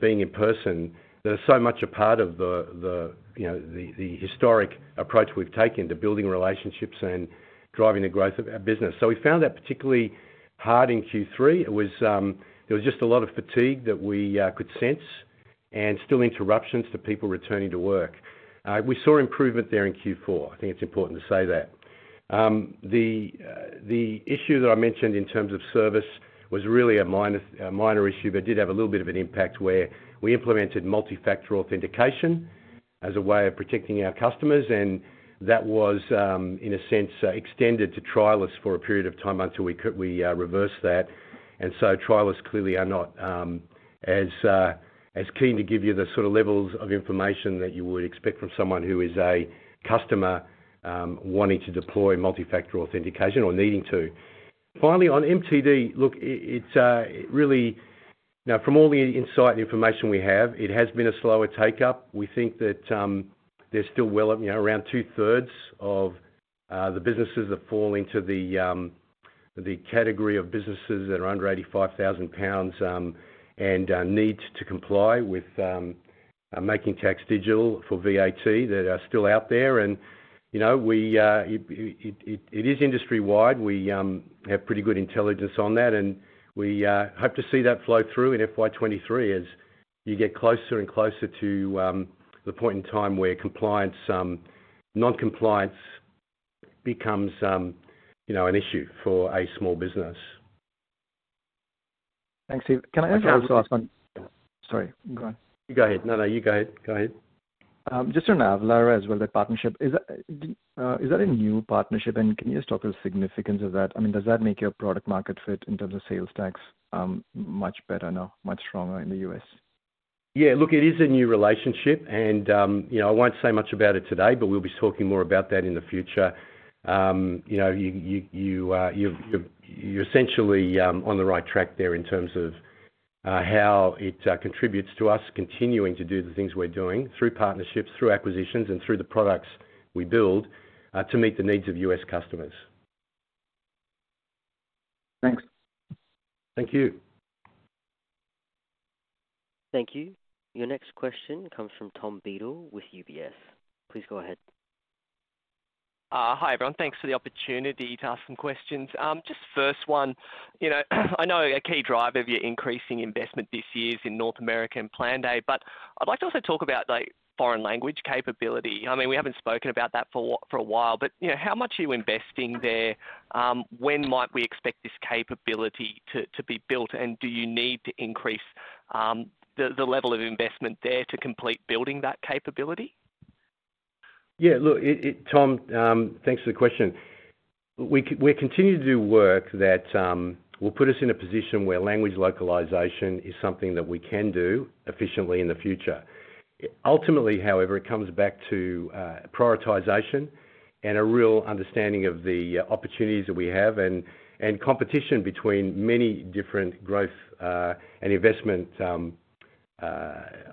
being in person. They're so much a part of the, you know, the historic approach we've taken to building relationships and driving the growth of our business. We found that particularly hard in Q3. It was, there was just a lot of fatigue that we could sense and still interruptions to people returning to work. We saw improvement there in Q4. I think it's important to say that. The issue that I mentioned in terms of service was really a minor issue, but did have a little bit of an impact where we implemented multi-factor authentication as a way of protecting our customers, and that was, in a sense, extended to trialists for a period of time until we reversed that. Trialists clearly are not as keen to give you the sort of levels of information that you would expect from someone who is a customer, wanting to deploy multi-factor authentication or needing to. Finally, on MTD, look, it's really... Now from all the insight and information we have, it has been a slower take-up. We think that there's still well, you know, around 2/3 of the businesses that fall into the category of businesses that are under 85,000 pounds and need to comply with Making Tax Digital for VAT that are still out there. You know, it is industry-wide. We have pretty good intelligence on that, and we hope to see that flow through in FY 2023 as you get closer and closer to the point in time where non-compliance becomes you know, an issue for a small business. Thanks, Steve. Can I ask one last one? Sorry. Go on. Go ahead. No, no, you go ahead. Go ahead. Just on Avalara as well, the partnership. Is that a new partnership, and can you just talk to the significance of that? I mean, does that make your product market fit in terms of sales tax, much better now, much stronger in the US? Yeah, look, it is a new relationship and, you know, I won't say much about it today, but we'll be talking more about that in the future. You know, you're essentially on the right track there in terms of how it contributes to us continuing to do the things we're doing through partnerships, through acquisitions, and through the products we build to meet the needs of US customers. Thanks. Thank you. Thank you. Your next question comes from Thomas Beadle with UBS. Please go ahead. Hi, everyone. Thanks for the opportunity to ask some questions. Just first one, you know, I know a key driver of your increasing investment this year is in North America and Planday, but I'd like to also talk about, like, foreign language capability. I mean, we haven't spoken about that for a while, but, you know, how much are you investing there? When might we expect this capability to be built? And do you need to increase the level of investment there to complete building that capability? Yeah, look, Tom, thanks for the question. We continue to do work that will put us in a position where language localization is something that we can do efficiently in the future. Ultimately, however, it comes back to prioritization and a real understanding of the opportunities that we have and competition between many different growth and investment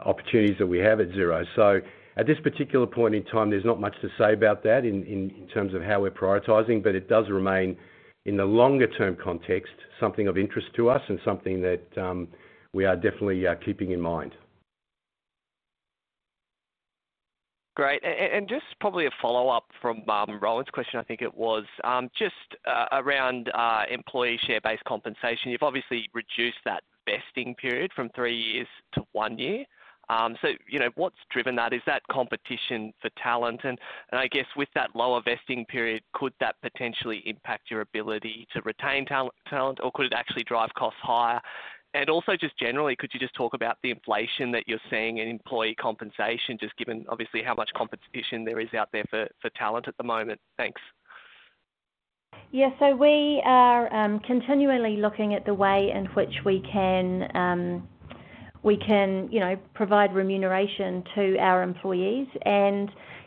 opportunities that we have at Xero. At this particular point in time, there's not much to say about that in terms of how we're prioritizing, but it does remain, in the longer term context, something of interest to us and something that we are definitely keeping in mind. Great. Just probably a follow-up from Rohan Sundram's question, I think it was, just around employee share-based compensation. You've obviously reduced that vesting period from three years to one year. So, you know, what's driven that? Is that competition for talent? I guess with that lower vesting period, could that potentially impact your ability to retain talent or could it actually drive costs higher? Also just generally, could you just talk about the inflation that you're seeing in employee compensation, just given obviously how much competition there is out there for talent at the moment? Thanks. We are continually looking at the way in which we can, you know, provide remuneration to our employees.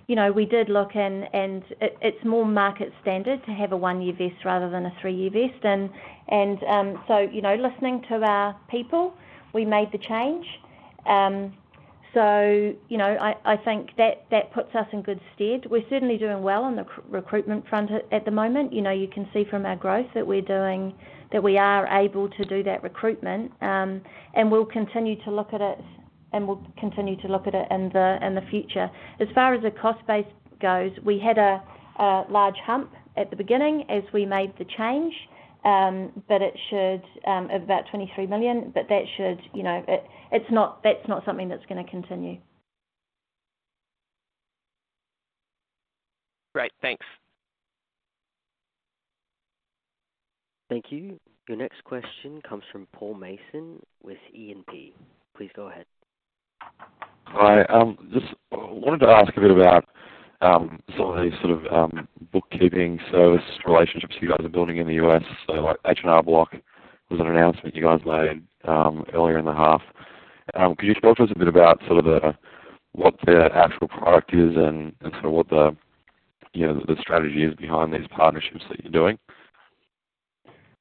You know, we did look, and it's more market standard to have a one-year vest rather than a three-year vest. You know, listening to our people, we made the change. You know, I think that puts us in good stead. We're certainly doing well on the recruitment front at the moment. You know, you can see from our growth that we are able to do that recruitment. We'll continue to look at it in the future. As far as the cost base goes, we had a large hump at the beginning as we made the change, but it should about NZD 23 million, but that should, you know. It's not, that's not something that's gonna continue. Great. Thanks. Thank you. Your next question comes from Paul Mason with E&P. Please go ahead. Hi. Just wanted to ask a bit about some of the sort of bookkeeping service relationships you guys are building in the US, so like H&R Block. It was an announcement you guys made earlier in the half. Could you talk to us a bit about sort of what their actual product is and sort of what, you know, the strategy is behind these partnerships that you're doing?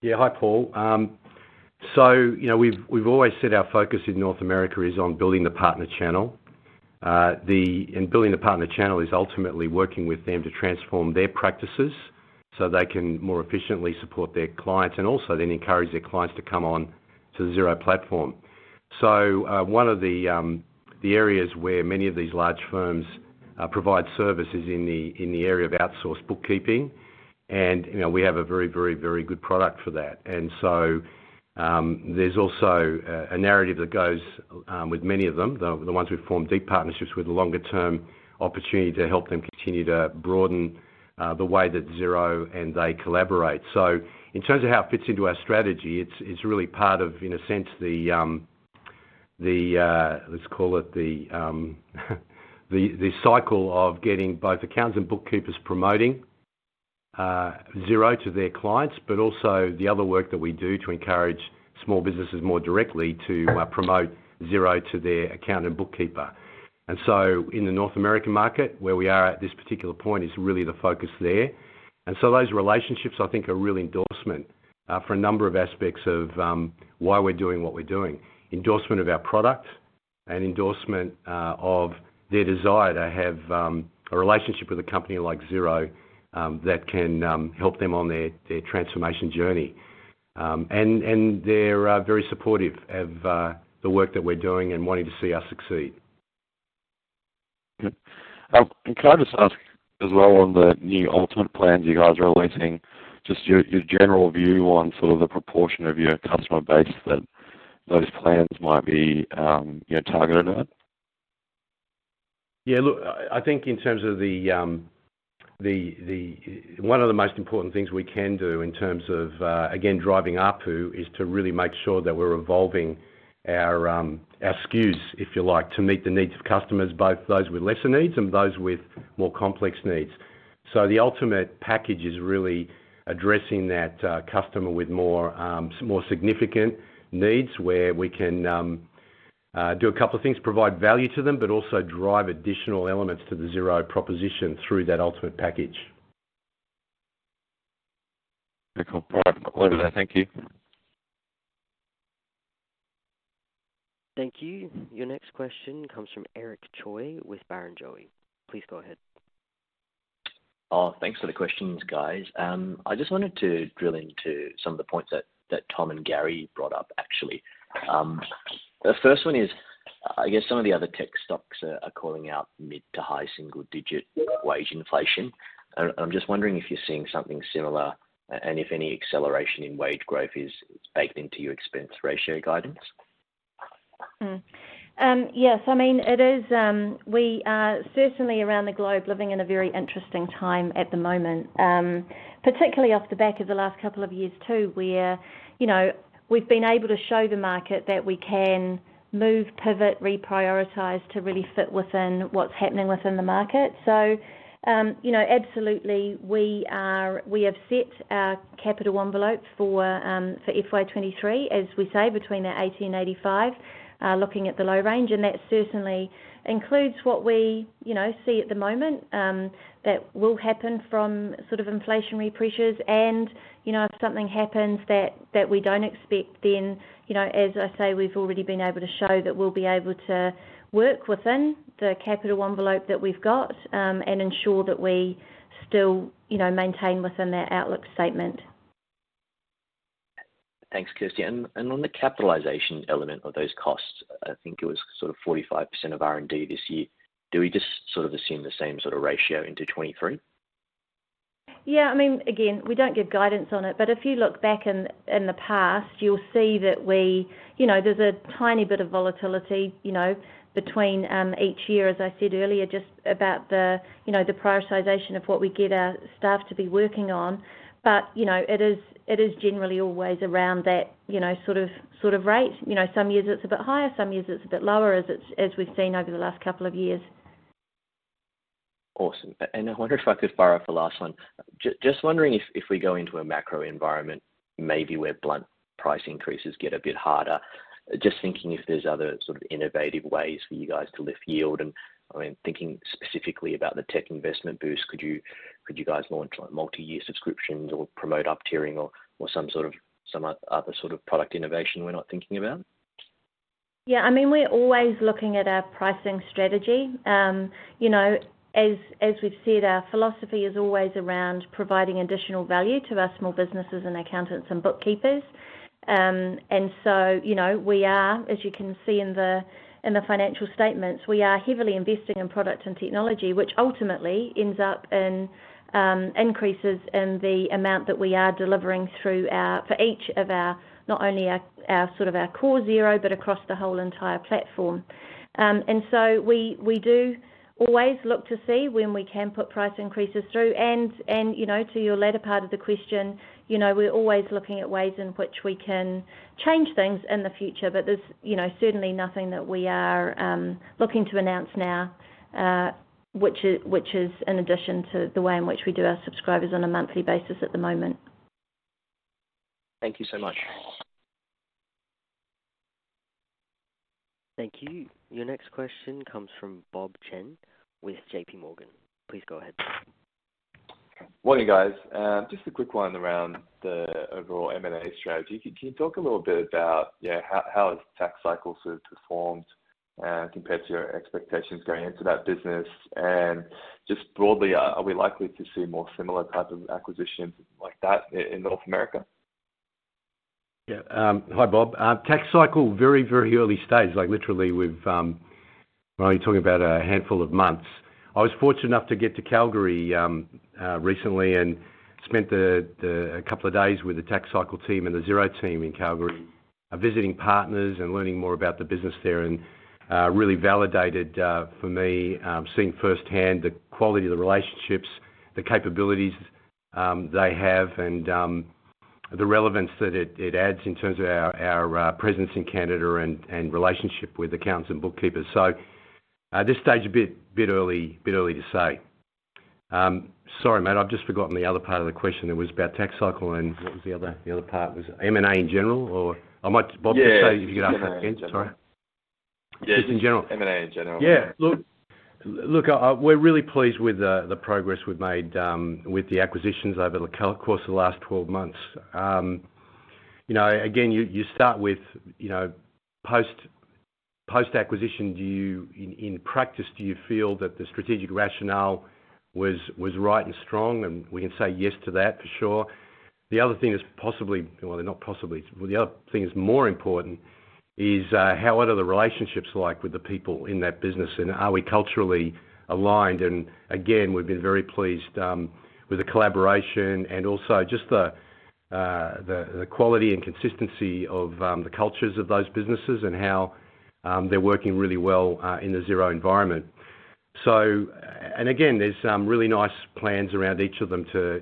Yeah. Hi, Paul. You know, we've always said our focus in North America is on building the partner channel. Building the partner channel is ultimately working with them to transform their practices so they can more efficiently support their clients and also then encourage their clients to come on to the Xero platform. One of the areas where many of these large firms provide service is in the area of outsourced bookkeeping. You know, we have a very good product for that. There's also a narrative that goes with many of them, the ones who've formed deep partnerships with longer term opportunity to help them continue to broaden the way that Xero and they collaborate. In terms of how it fits into our strategy, it's really part of, in a sense, let's call it the cycle of getting both accountants and bookkeepers promoting Xero to their clients, but also the other work that we do to encourage small businesses more directly to promote Xero to their accountant and bookkeeper. In the North American market, where we are at this particular point, is really the focus there. Those relationships I think are really endorsement for a number of aspects of why we're doing what we're doing. Endorsement of our product. An endorsement of their desire to have a relationship with a company like Xero that can help them on their transformation journey. They're very supportive of the work that we're doing and wanting to see us succeed. Good. Can I just ask as well on the new Ultimate plans you guys are releasing, just your general view on sort of the proportion of your customer base that those plans might be, you know, targeted at? Yeah. Look, I think in terms of one of the most important things we can do in terms of, again, driving ARPU, is to really make sure that we're evolving our SKUs, if you like, to meet the needs of customers, both those with lesser needs and those with more complex needs. The Ultimate package is really addressing that customer with more significant needs, where we can do a couple of things, provide value to them, but also drive additional elements to the Xero proposition through that Ultimate package. Okay, cool. All right. I'll leave it there. Thank you. Thank you. Your next question comes from Eric Choi with Barrenjoey. Please go ahead. Thanks for the questions, guys. I just wanted to drill into some of the points that Tom and Garry brought up, actually. The first one is, I guess some of the other tech stocks are calling out mid to high single digit wage inflation. I'm just wondering if you're seeing something similar, and if any acceleration in wage growth is baked into your expense ratio guidance. Yes. I mean, it is. We are certainly around the globe living in a very interesting time at the moment, particularly off the back of the last couple of years too, where, you know, we've been able to show the market that we can move, pivot, reprioritize to really fit within what's happening within the market. You know, absolutely we have set our capital envelope for FY 2023, as we say, between NZD 80-NZD 85, looking at the low range, and that certainly includes what we, you know, see at the moment, that will happen from sort of inflationary pressures. You know, if something happens that we don't expect, then, you know, as I say, we've already been able to show that we'll be able to work within the capital envelope that we've got, and ensure that we still, you know, maintain within our outlook statement. Thanks, Kirsty. On the capitalization element of those costs, I think it was sort of 45% of R&D this year. Do we just sort of assume the same sort of ratio into 2023? Yeah. I mean, again, we don't give guidance on it, but if you look back in the past, you'll see that we. You know, there's a tiny bit of volatility, you know, between each year, as I said earlier, just about the prioritization of what we get our staff to be working on. You know, it is generally always around that sort of rate. You know, some years it's a bit higher, some years it's a bit lower as we've seen over the last couple of years. Awesome. I wonder if I could borrow for last one. Just wondering if we go into a macro environment, maybe where blunt price increases get a bit harder, just thinking if there's other sort of innovative ways for you guys to lift yield and, I mean, thinking specifically about the Technology Investment Boost, could you guys launch like multi-year subscriptions or promote up-tiering or some other sort of product innovation we're not thinking about? Yeah. I mean, we're always looking at our pricing strategy. You know, as we've said, our philosophy is always around providing additional value to our small businesses and accountants and bookkeepers. You know, we are, as you can see in the financial statements, heavily investing in product and technology, which ultimately ends up in increases in the amount that we are delivering through our for each of our, not only our core Xero, but across the whole entire platform. We do always look to see when we can put price increases through. You know, to your latter part of the question, you know, we're always looking at ways in which we can change things in the future, but there's, you know, certainly nothing that we are looking to announce now, which is in addition to the way in which we do our subscribers on a monthly basis at the moment. Thank you so much. Thank you. Your next question comes from Bob Chen with JPMorgan. Please go ahead. Morning, guys. Just a quick one around the overall M&A strategy. Can you talk a little bit about how has TaxCycle sort of performed compared to your expectations going into that business? Just broadly, are we likely to see more similar types of acquisitions like that in North America? Yeah. Hi, Bob. TaxCycle, very early stage, like literally we're only talking about a handful of months. I was fortunate enough to get to Calgary recently and spent a couple of days with the TaxCycle team and the Xero team in Calgary, visiting partners and learning more about the business there, and really validated for me seeing firsthand the quality of the relationships, the capabilities they have and the relevance that it adds in terms of our presence in Canada and relationship with accountants and bookkeepers. At this stage, a bit early to say. Sorry, mate, I've just forgotten the other part of the question. It was about TaxCycle and what was the other part? Was it M&A in general or I might, Bob, just say if you could ask that again. Sorry. Yeah. Just M&A in general. Just in general? M&A in general. Yeah. Look, we're really pleased with the progress we've made with the acquisitions over the course of the last 12 months. You know, again, you start with, you know, post-acquisition, do you, in practice, do you feel that the strategic rationale was right and strong? We can say yes to that for sure. The other thing is more important is how are the relationships like with the people in that business, and are we culturally aligned? We've been very pleased with the collaboration and also just the quality and consistency of the cultures of those businesses and how they're working really well in the Xero environment. Again, there's some really nice plans around each of them to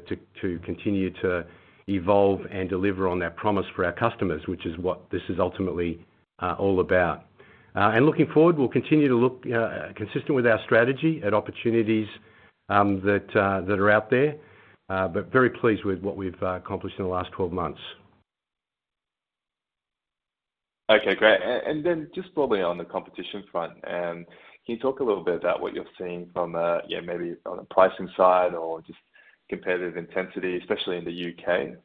continue to evolve and deliver on that promise for our customers, which is what this is ultimately all about. Looking forward, we'll continue to look consistent with our strategy at opportunities that are out there, but very pleased with what we've accomplished in the last 12 months. Okay, great. Just probably on the competition front, can you talk a little bit about what you're seeing from a, you know, maybe on a pricing side or just competitive intensity, especially in the UK?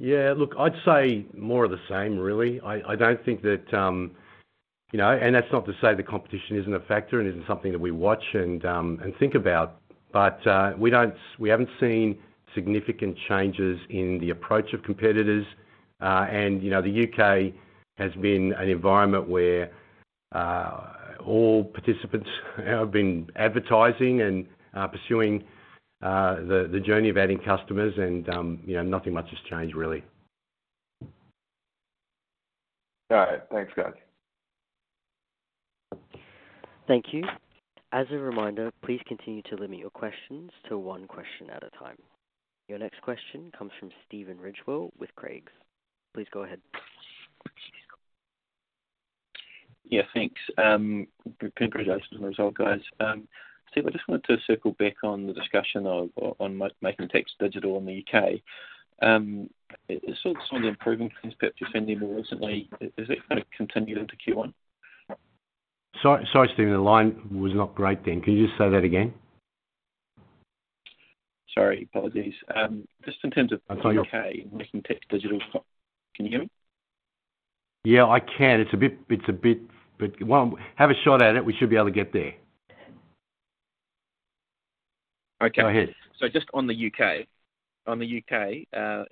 Yeah. Look, I'd say more of the same, really. I don't think that, you know, that's not to say the competition isn't a factor and isn't something that we watch and think about. We haven't seen significant changes in the approach of competitors. You know, the UK has been an environment where all participants have been advertising and pursuing the journey of adding customers and, you know, nothing much has changed, really. All right. Thanks, guys. Thank you. As a reminder, please continue to limit your questions to one question at a time. Your next question comes from Stephen Ridgewell with Craigs. Please go ahead. Yeah, thanks. Congratulations on the result, guys. Steve, I just wanted to circle back on the discussion of, on Making Tax Digital in the UK. Some of the improving trends perhaps you're seeing there more recently, is that gonna continue into Q1? Sorry, Steven. The line was not great then. Can you just say that again? Sorry. Apologies. Just in terms of. I can't hear. the U.K. and Making Tax Digital. Can you hear me? Yeah, I can. It's a bit. Well, have a shot at it. We should be able to get there. Okay. Go ahead. Just on the U.K.,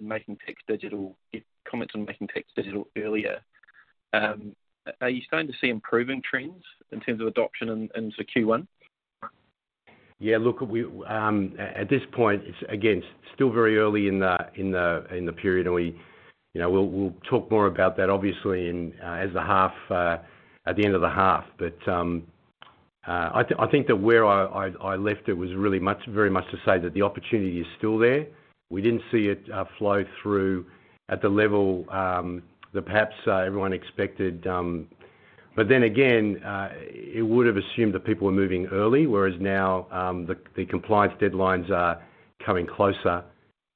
Making Tax Digital, you commented on Making Tax Digital earlier. Are you starting to see improving trends in terms of adoption in sort of Q1? Yeah. Look, we at this point, it's again still very early in the period. We, you know, we'll talk more about that obviously in the half at the end of the half. I think that where I left it was really very much to say that the opportunity is still there. We didn't see it flow through at the level that perhaps everyone expected. It would have assumed that people were moving early, whereas now the compliance deadlines are coming closer.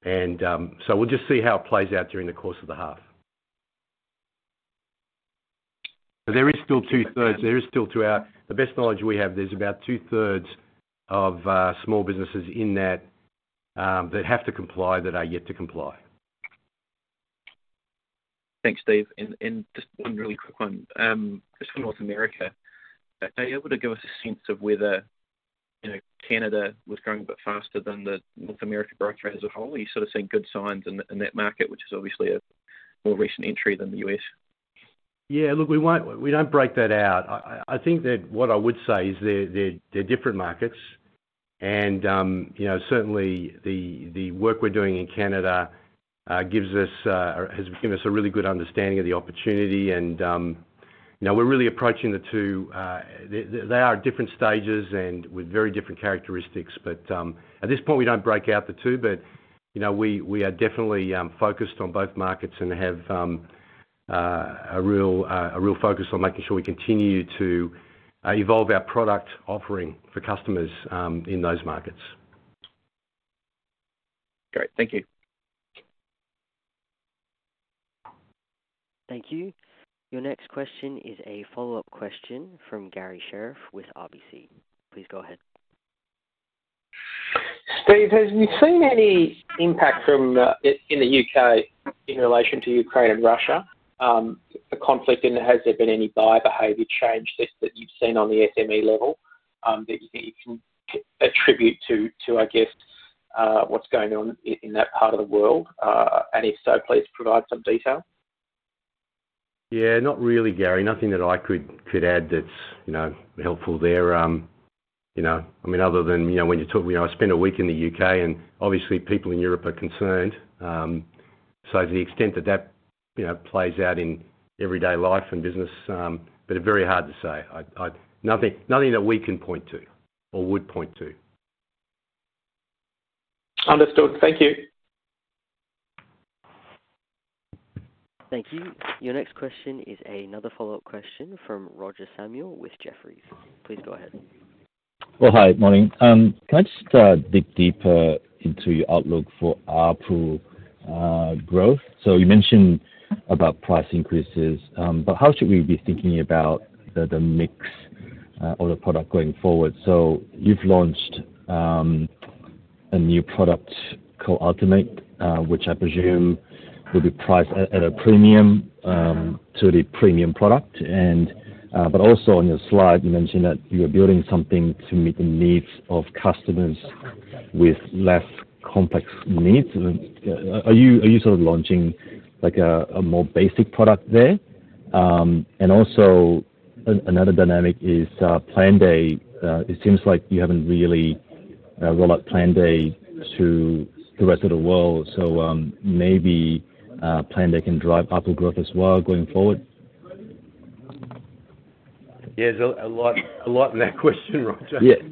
We'll just see how it plays out during the course of the half. There is still 2/3. the best of our knowledge, there's about 2/3 of small businesses in that that have to comply that are yet to comply. Thanks, Steve. Just one really quick one. Just for North America, are you able to give us a sense of whether, you know, Canada was growing a bit faster than the North America growth rate as a whole? Are you sort of seeing good signs in that market, which is obviously a more recent entry than the US? Yeah. Look, we don't break that out. I think that what I would say is they're different markets and, you know, certainly the work we're doing in Canada has given us a really good understanding of the opportunity and, you know, we're really approaching the two. They are at different stages and with very different characteristics. At this point, we don't break out the two. You know, we are definitely focused on both markets and have a real focus on making sure we continue to evolve our product offering for customers in those markets. Great. Thank you. Thank you. Your next question is a follow-up question from Garry Sherriff with RBC. Please go ahead. Steve, have you seen any impact in the UK in relation to Ukraine and Russia? The conflict, and has there been any buyer behavior change since that you've seen on the SME level, that you think you can attribute to, I guess, what's going on in that part of the world? If so, please provide some detail. Yeah, not really, Garry. Nothing that I could add that's, you know, helpful there. You know, I mean, other than, you know, when you talk, you know, I spent a week in the UK, and obviously people in Europe are concerned. To the extent that you know, plays out in everyday life and business, but very hard to say. Nothing that we can point to or would point to. Understood. Thank you. Thank you. Your next question is another follow-up question from Roger Samuel with Jefferies. Please go ahead. Well, hi. Morning. Can I just dig deeper into your outlook for ARPU growth? You mentioned about price increases, but how should we be thinking about the mix or the product going forward? You've launched, A new product called Ultimate, which I presume will be priced at a premium to the premium product. Also in your slide, you mentioned that you are building something to meet the needs of customers with less complex needs. Are you sort of launching like a more basic product there? Another dynamic is Planday. It seems like you haven't really rolled out Planday to the rest of the world. Maybe Planday can drive ARPU growth as well going forward. Yeah. There's a lot in that question, Roger. Just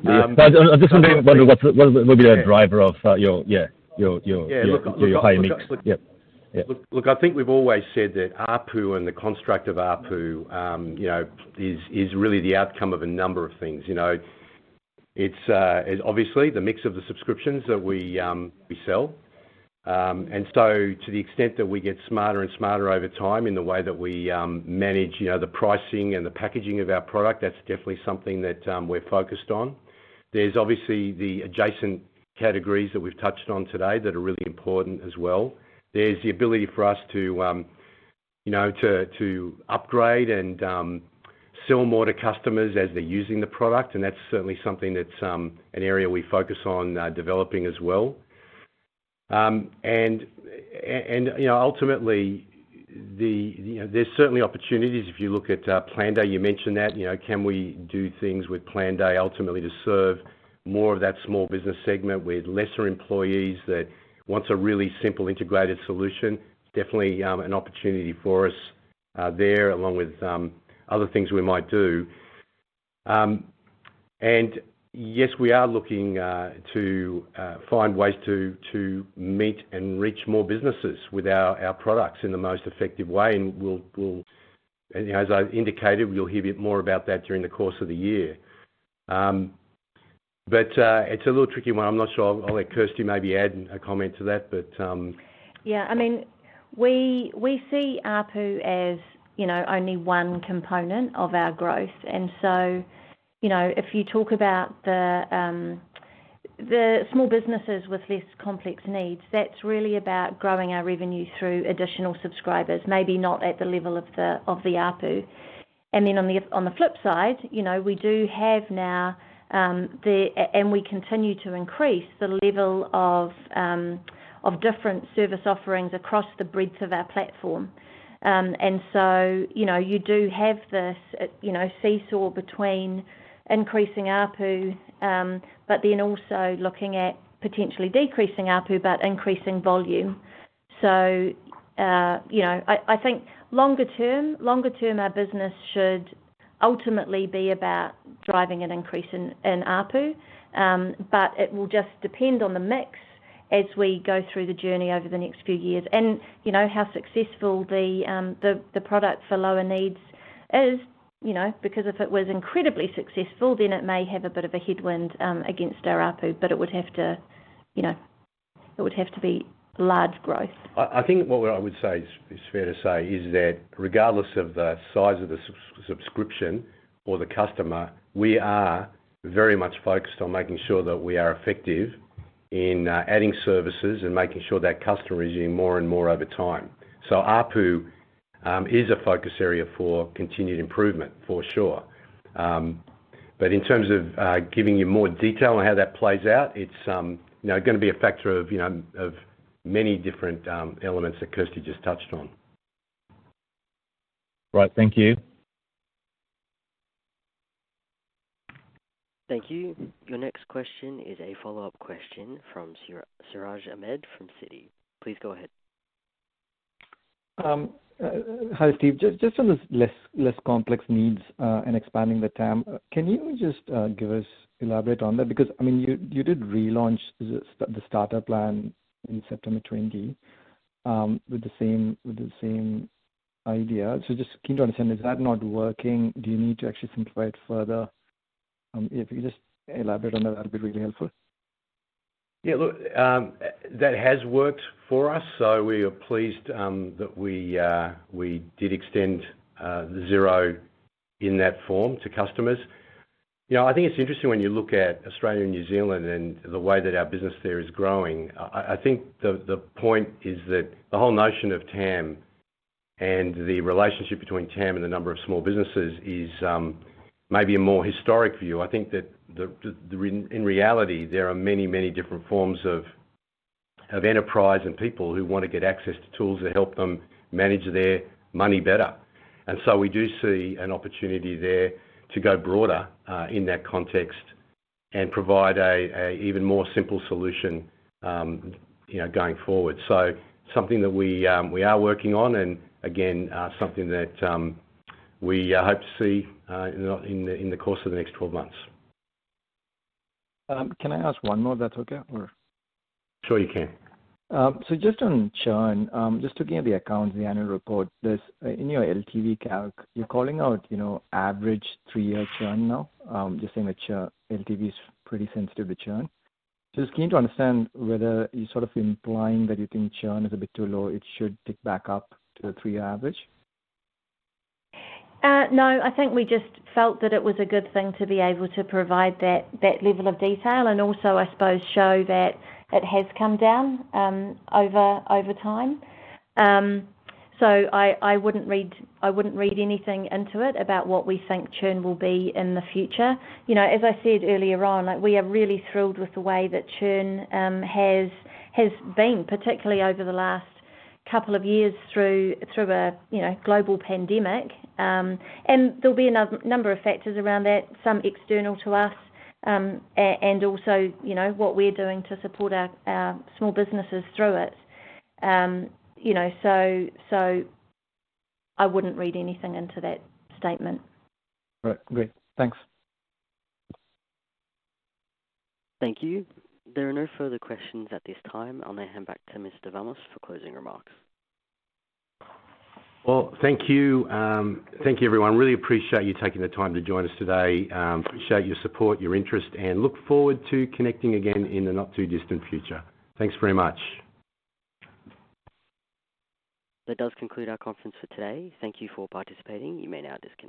wondering what's the- Yeah. What would be a driver of your high mix? Yeah. Look. Yeah. Yeah. Look, I think we've always said that ARPU and the construct of ARPU, you know, is really the outcome of a number of things, you know. It's obviously the mix of the subscriptions that we sell. To the extent that we get smarter and smarter over time in the way that we manage, you know, the pricing and the packaging of our product, that's definitely something that we're focused on. There's obviously the adjacent categories that we've touched on today that are really important as well. There's the ability for us to, you know, to upgrade and sell more to customers as they're using the product, and that's certainly something that's an area we focus on developing as well. You know, ultimately, the, You know, there's certainly opportunities if you look at Planday, you mentioned that, you know, can we do things with Planday ultimately to serve more of that small business segment with lesser employees that wants a really simple integrated solution? Definitely, an opportunity for us there along with other things we might do. Yes, we are looking to find ways to meet and reach more businesses with our products in the most effective way, and we'll hear a bit more about that during the course of the year. But it's a little tricky one. I'm not sure. I'll let Kirsty maybe add a comment to that. Yeah. I mean, we see ARPU as, you know, only one component of our growth. You know, if you talk about the small businesses with less complex needs, that's really about growing our revenue through additional subscribers, maybe not at the level of the ARPU. On the flip side, you know, we do have now, and we continue to increase the level of different service offerings across the breadth of our platform. You know, you do have this, you know, seesaw between increasing ARPU, but then also looking at potentially decreasing ARPU but increasing volume. You know, I think longer term, our business should ultimately be about driving an increase in ARPU. It will just depend on the mix as we go through the journey over the next few years and, you know, how successful the product for lower needs is, you know. Because if it was incredibly successful, then it may have a bit of a headwind against our ARPU, but it would have to, you know, be large growth. I think what I would say is fair to say is that regardless of the size of the subscription or the customer, we are very much focused on making sure that we are effective in adding services and making sure that customer is in more and more over time. ARPU is a focus area for continued improvement for sure. In terms of giving you more detail on how that plays out, it's you know gonna be a factor of you know of many different elements that Kirsty just touched on. Right. Thank you. Thank you. Your next question is a follow-up question from Siraj Ahmed from Citi. Please go ahead. Hi Steve. Just on the less complex needs and expanding the TAM, can you just elaborate on that? Because I mean, you did relaunch the starter plan in September 2020 with the same idea. Just keen to understand, is that not working? Do you need to actually simplify it further? If you just elaborate on that'd be really helpful. Yeah. Look, that has worked for us, so we are pleased that we did extend Xero in that form to customers. You know, I think it's interesting when you look at Australia and New Zealand and the way that our business there is growing. I think the point is that the whole notion of TAM and the relationship between TAM and the number of small businesses is maybe a more historic view. I think that in reality, there are many different forms of enterprise and people who wanna get access to tools that help them manage their money better. We do see an opportunity there to go broader in that context and provide an even more simple solution, you know, going forward. Something that we are working on, and again, something that we hope to see in the course of the next 12 months. Can I ask one more, if that's okay? Sure, you can. Just on churn, just looking at the accounts, the annual report, there is in your LTV calc, you're calling out, you know, average three-year churn now. Just saying that your LTV is pretty sensitive to churn. Just keen to understand whether you're sort of implying that you think churn is a bit too low, it should pick back up to the three-year average. No. I think we just felt that it was a good thing to be able to provide that level of detail and also, I suppose, show that it has come down over time. I wouldn't read anything into it about what we think churn will be in the future. You know, as I said earlier on, like we are really thrilled with the way that churn has been, particularly over the last couple of years through a global pandemic. There'll be a number of factors around that, some external to us, and also what we're doing to support our small businesses through it. You know, I wouldn't read anything into that statement. Right. Great. Thanks. Thank you. There are no further questions at this time. I'll now hand back to Mr. Vamos for closing remarks. Well, thank you. Thank you, everyone. Really appreciate you taking the time to join us today. Appreciate your support, your interest, and look forward to connecting again in the not-too-distant future. Thanks very much. That does conclude our conference for today. Thank you for participating. You may now disconnect.